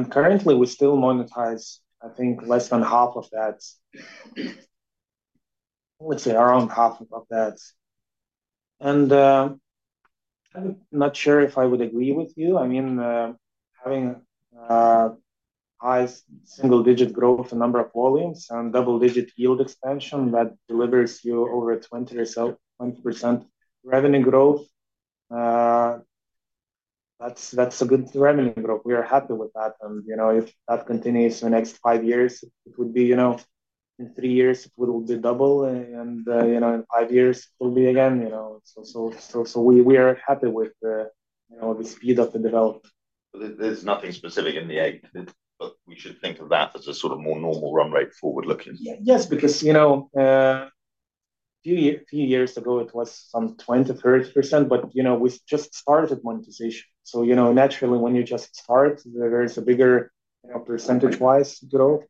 Currently, we still monetize, I think, less than half of that. Let's say around half of that. I'm not sure if I would agree with you. I mean, having high single-digit growth, a number of volumes, and double-digit yield expansion that delivers you over 20% revenue growth, that's a good revenue growth. We are happy with that. If that continues in the next five years, it would be in three years, it will be double. In five years, it will be again. We are happy with the speed of the development. There's nothing specific in the eight, but we should think of that as a sort of more normal run rate forward-looking. Yes, because a few years ago, it was some 20 to 30%, but we just started monetization. Naturally, when you just start, there is a bigger percentage-wise growth.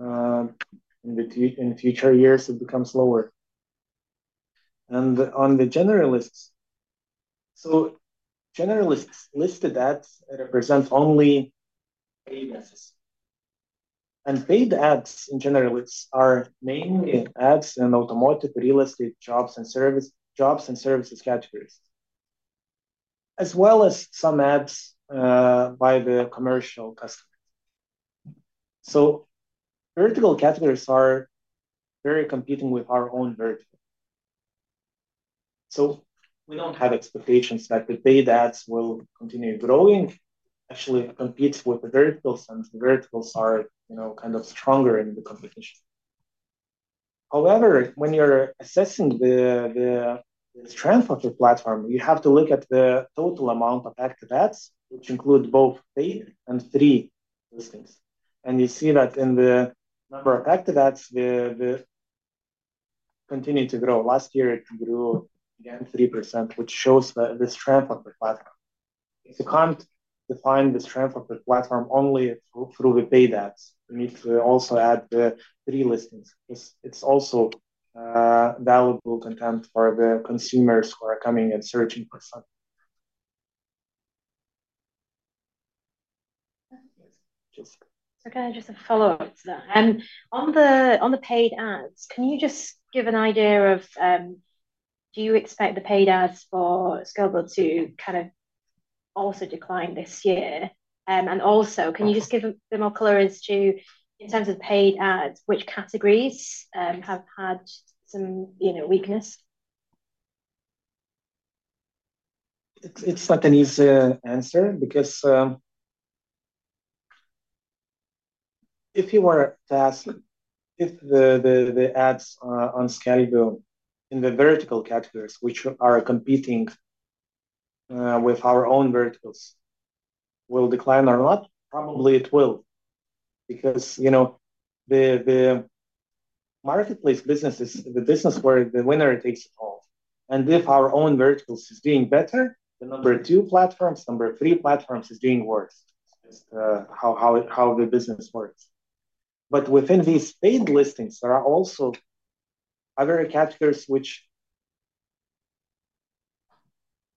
In future years, it becomes lower. On the generalists, generalists' listed ads represent only paid ads. Paid ads in generalists are mainly ads in automotive, real estate, jobs, and services categories, as well as some ads by the commercial customers. Vertical categories are very competing with our own vertical. We do not have expectations that the paid ads will continue growing, actually compete with the verticals, and the verticals are kind of stronger in the competition. However, when you are assessing the strength of the platform, you have to look at the total amount of active ads, which include both paid and free listings. You see that in the number of active ads, they continue to grow. Last year, it grew again 3%, which shows the strength of the platform. You cannot define the strength of the platform only through the paid ads. You need to also add the free listings. It is also valuable content for the consumers who are coming and searching for something. Kind of just a follow-up to that. On the paid ads, can you just give an idea of do you expect the paid ads for Skelbiu.lt to kind of also decline this year? Also, can you just give a bit more clearance to, in terms of paid ads, which categories have had some weakness? It's not an easy answer because if you were to ask if the ads on Skelbiu.lt in the vertical categories, which are competing with our own verticals, will decline or not, probably it will because the marketplace business is the business where the winner takes it all. If our own verticals are doing better, the number two platforms, number three platforms are doing worse. It's just how the business works. Within these paid listings, there are also other categories which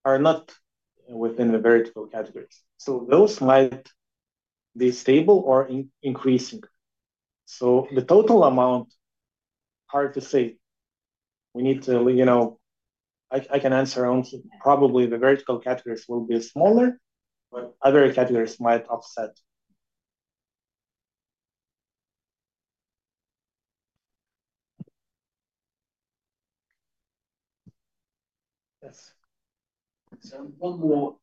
are not within the vertical categories. Those might be stable or increasing. The total amount, hard to say. I can answer probably the vertical categories will be smaller, but other categories might offset. Yes. One more,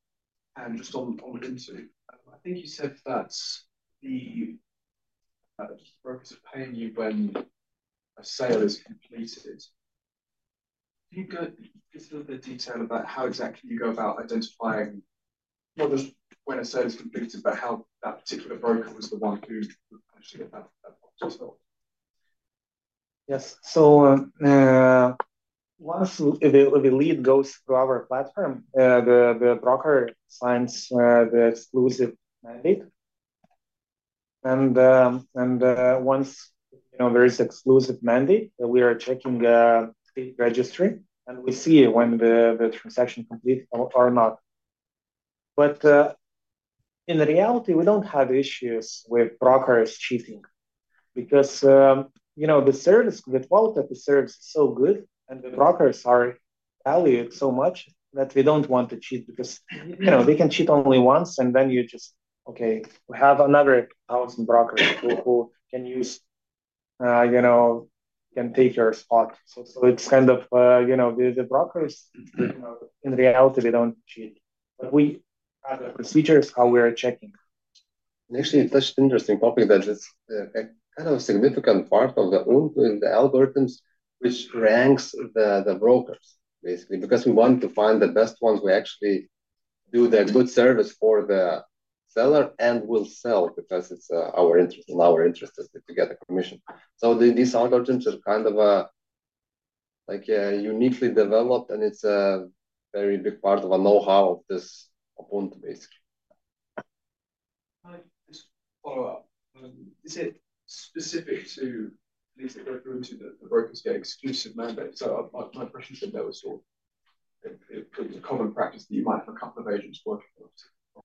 just on the content. I think you said that the brokers are paying you when a sale is completed. Can you give a bit of detail about how exactly you go about identifying not just when a sale is completed, but how that particular broker was the one who actually got that property sold? Yes. Once the lead goes through our platform, the broker signs the exclusive mandate. Once there is an exclusive mandate, we are checking the registry, and we see when the transaction completed or not. In reality, we do not have issues with brokers cheating because the quality, the service is so good, and the brokers are valued so much that we do not want to cheat because they can cheat only once, and then you just, okay, we have another thousand brokers who can take your spot. It is kind of the brokers, in reality, they do not cheat. We have the procedures how we are checking. That is an interesting topic that is kind of a significant part of the algorithms, which ranks the brokers, basically, because we want to find the best ones who actually do the good service for the seller and will sell because it is in our interest to get the commission. These algorithms are kind of uniquely developed, and it is a very big part of the know-how at this point, basically. Just a follow-up. Is it specific to at least a brokerage that the brokers get exclusive mandates? My question is a bit more sort of a common practice that you might have a couple of agents working on.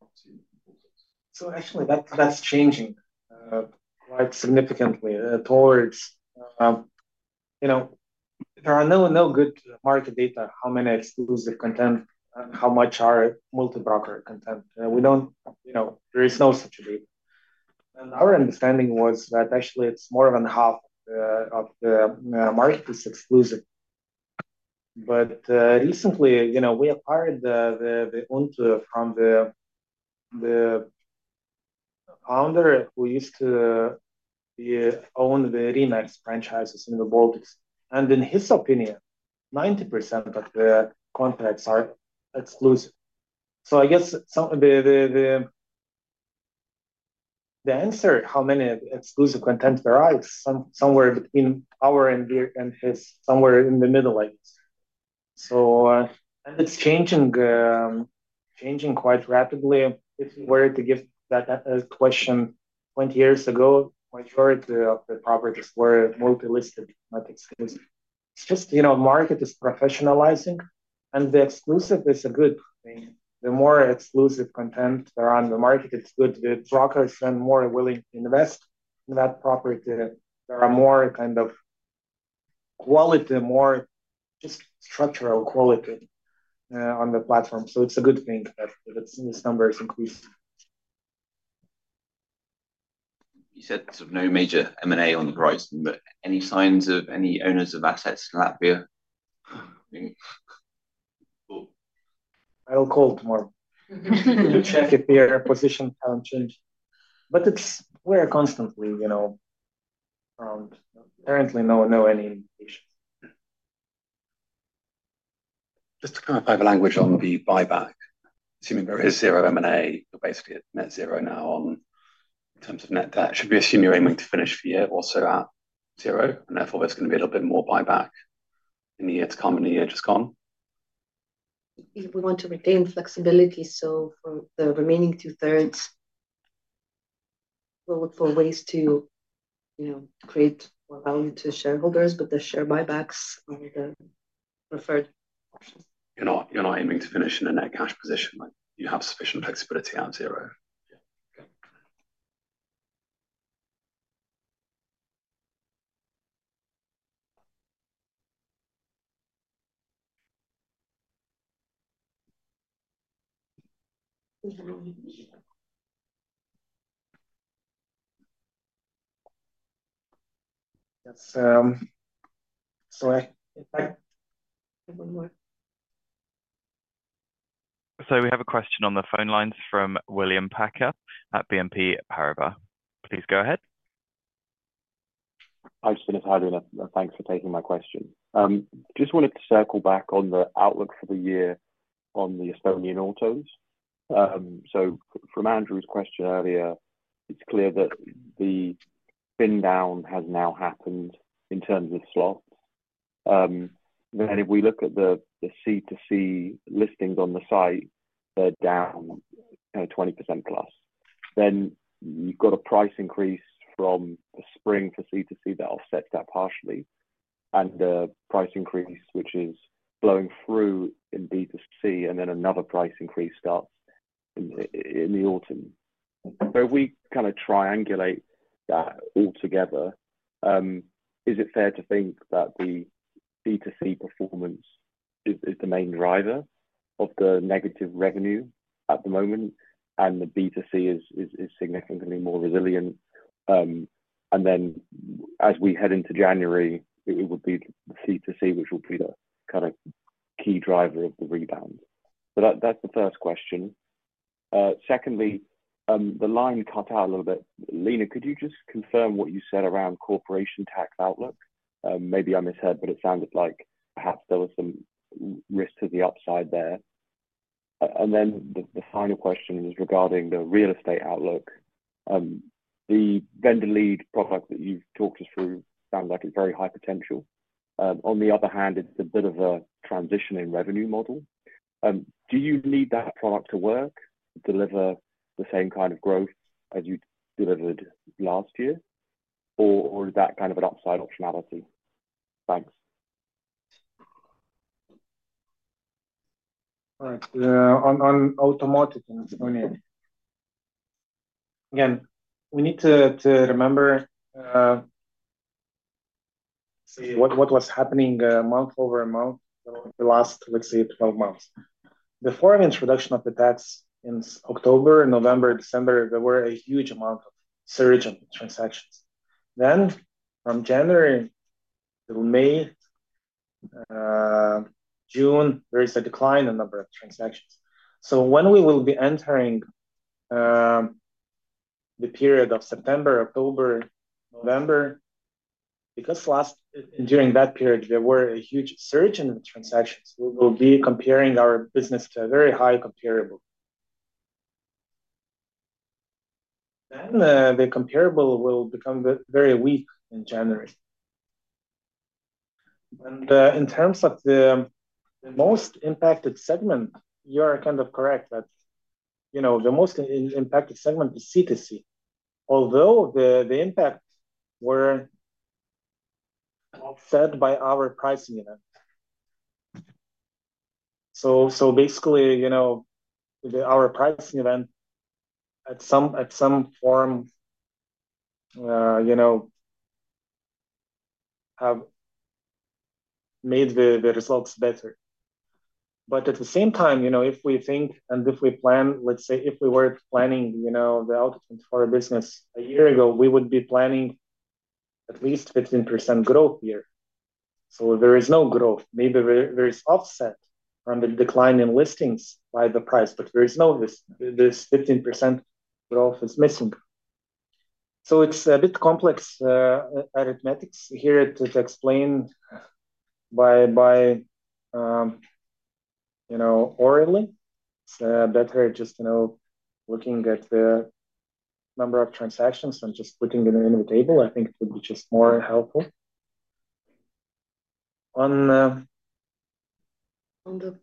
Actually, that's changing quite significantly towards there are no good market data, how many exclusive content and how much are multi-broker content. There is no such data. Our understanding was that actually it's more than half of the market is exclusive. Recently, we acquired the UNTO from the founder who used to own the RE/MAX franchises in the Baltics. In his opinion, 90% of the contracts are exclusive. I guess the answer how many exclusive contents there are is somewhere between our and his, somewhere in the middle like this. It's changing quite rapidly. If you were to give that question 20 years ago, the majority of the properties were multi-listed, not exclusive. It's just market is professionalizing, and the exclusive is a good thing. The more exclusive content there are on the market, it's good. The brokers are more willing to invest in that property. There are more kind of quality, more just structural quality on the platform. It is a good thing that these numbers increase. You said sort of no major M&A on the price. Any signs of any owners of assets in Latvia? I'll call tomorrow to check if their position hasn't changed. We're constantly around. Apparently, no indications. Just to kind of play the language on the buyback, assuming there is zero M&A, you're basically at net zero now in terms of net debt. Should we assume you're aiming to finish the year also at zero? Therefore, there's going to be a little bit more buyback in the year to come and the year just gone? We want to retain flexibility. For the remaining 2/3, we'll look for ways to create more value to shareholders with the share buybacks and the preferred options. You're not aiming to finish in a net cash position. You have sufficient flexibility at zero. Sorry. We have a question on the phone lines from William Packer at BNP Paribas. Please go ahead. Thanks, Spinitz-Hadwin. Thanks for taking my question. Just wanted to circle back on the outlook for the year on the Estonian autos. From Andrew's question earlier, it is clear that the bin down has now happened in terms of slots. If we look at the C2C listings on the site, they are down kind of 20% plus. You have a price increase from the spring for C2C that offsets that partially. The price increase is blowing through in B2C, and then another price increase starts in the autumn. If we triangulate that altogether, is it fair to think that the B2C performance is the main driver of the negative revenue at the moment? The B2C is significantly more resilient. As we head into January, it would be the C2C, which will be the key driver of the rebound. That's the first question. Secondly, the line cut out a little bit. Lina, could you just confirm what you said around corporation tax outlook? Maybe I misheard, but it sounded like perhaps there were some risks to the upside there. The final question is regarding the real estate outlook. The vendor lead product that you've talked us through sounds like it's very high potential. On the other hand, it's a bit of a transition in revenue model. Do you need that product to work, deliver the same kind of growth as you delivered last year? Or is that kind of an upside optionality? Thanks. All right. On automotive in Estonia, again, we need to remember what was happening month over month over the last, let's say, 12 months. Before the introduction of the tax in October, November, December, there were a huge amount of surge in transactions. From January to May, June, there is a decline in the number of transactions. When we will be entering the period of September, October, November, because during that period, there were a huge surge in the transactions, we will be comparing our business to a very high comparable. The comparable will become very weak in January. In terms of the most impacted segment, you are kind of correct that the most impacted segment is C2C, although the impact was offset by our pricing event. Basically, our pricing event at some form have made the results better. At the same time, if we think and if we plan, let's say, if we were planning the outcome for a business a year ago, we would be planning at least 15% growth here. There is no growth. Maybe there is offset from the decline in listings by the price, but there is no listing. This 15% growth is missing. It is a bit complex arithmetic here to explain by orally. It is better just looking at the number of transactions and just putting it in the table. I think it would be just more helpful. On the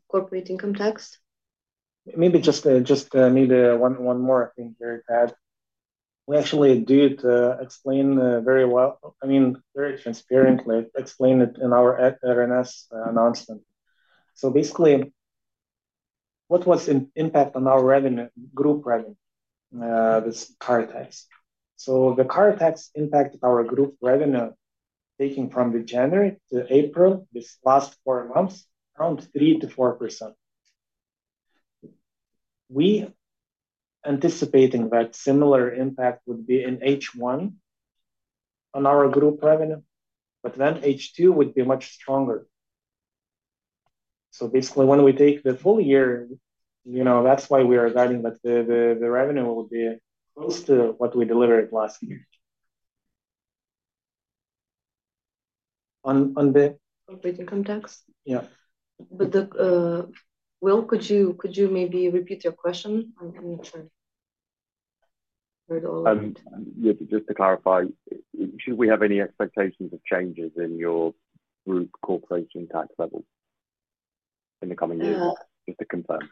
corporate income tax? Maybe just maybe one more thing here to add. We actually did explain very well. I mean, very transparently explained it in our R&S announcement. Basically, what was the impact on our revenue, group revenue, this car tax? The car tax impacted our group revenue taking from January to April, this last four months around 3% to4% We anticipated that similar impact would be in H1 on our group revenue, but H2 would be much stronger. Basically, when we take the full year, that is why we are guiding that the revenue will be close to what we delivered last year. Corporate income tax. Yeah. Will, could you maybe repeat your question? I'm not sure. Just to clarify, should we have any expectations of changes in your group corporation tax level in the coming years? Just to confirm.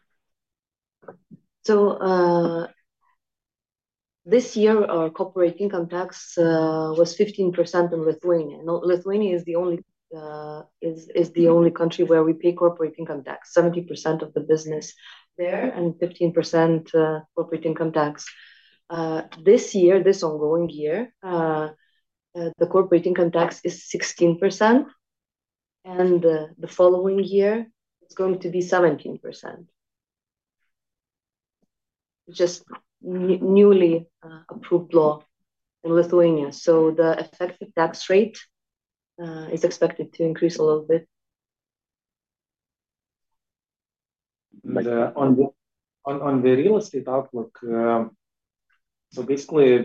This year, our corporate income tax was 15% in Lithuania. Lithuania is the only country where we pay corporate income tax, 70% of the business there, and 15% corporate income tax. This year, this ongoing year, the corporate income tax is 16%. The following year, it is going to be 17%. Just newly approved law in Lithuania. The effective tax rate is expected to increase a little bit. On the real estate outlook, basically,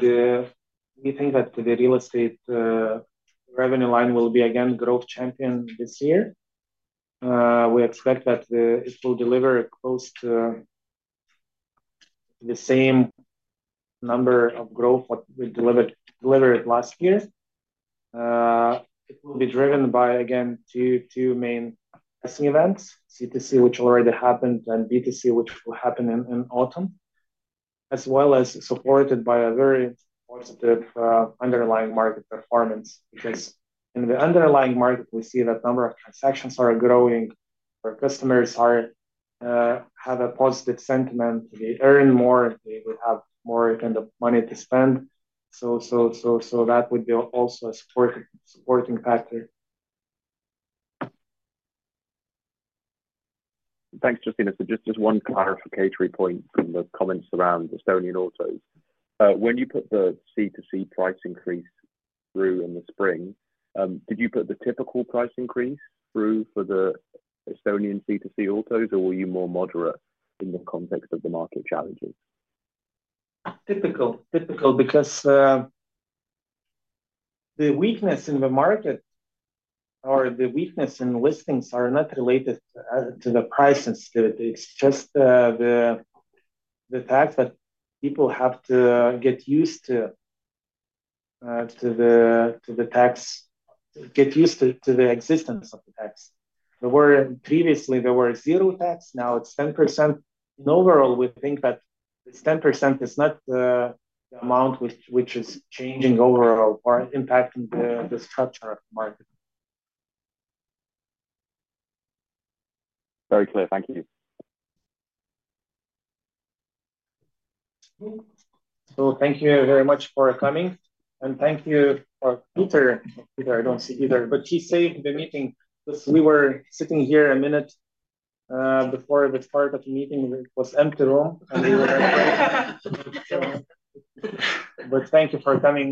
we think that the real estate revenue line will be again growth champion this year. We expect that it will deliver close to the same number of growth we delivered last year. It will be driven by, again, two main pricing events, C2C, which already happened, and B2C, which will happen in autumn, as well as supported by a very positive underlying market performance. Because in the underlying market, we see that number of transactions are growing. Our customers have a positive sentiment. They earn more. They have more kind of money to spend. That would be also a supporting factor. Thanks, Justinas. Just one clarificatory point from the comments around Estonian autos. When you put the C2C price increase through in the spring, did you put the typical price increase through for the Estonian C2C autos, or were you more moderate in the context of the market challenges? Typical. Typical because the weakness in the market or the weakness in listings are not related to the price sensitivity. It's just the fact that people have to get used to the tax, get used to the existence of the tax. Previously, there were zero tax. Now it's 10%. In overall, we think that this 10% is not the amount which is changing overall or impacting the structure of the market. Very clear. Thank you. Thank you very much for coming. Thank you for Peter. Peter, I do not see Peter. He saved the meeting. We were sitting here a minute before the start of the meeting. It was an empty room. Thank you for coming.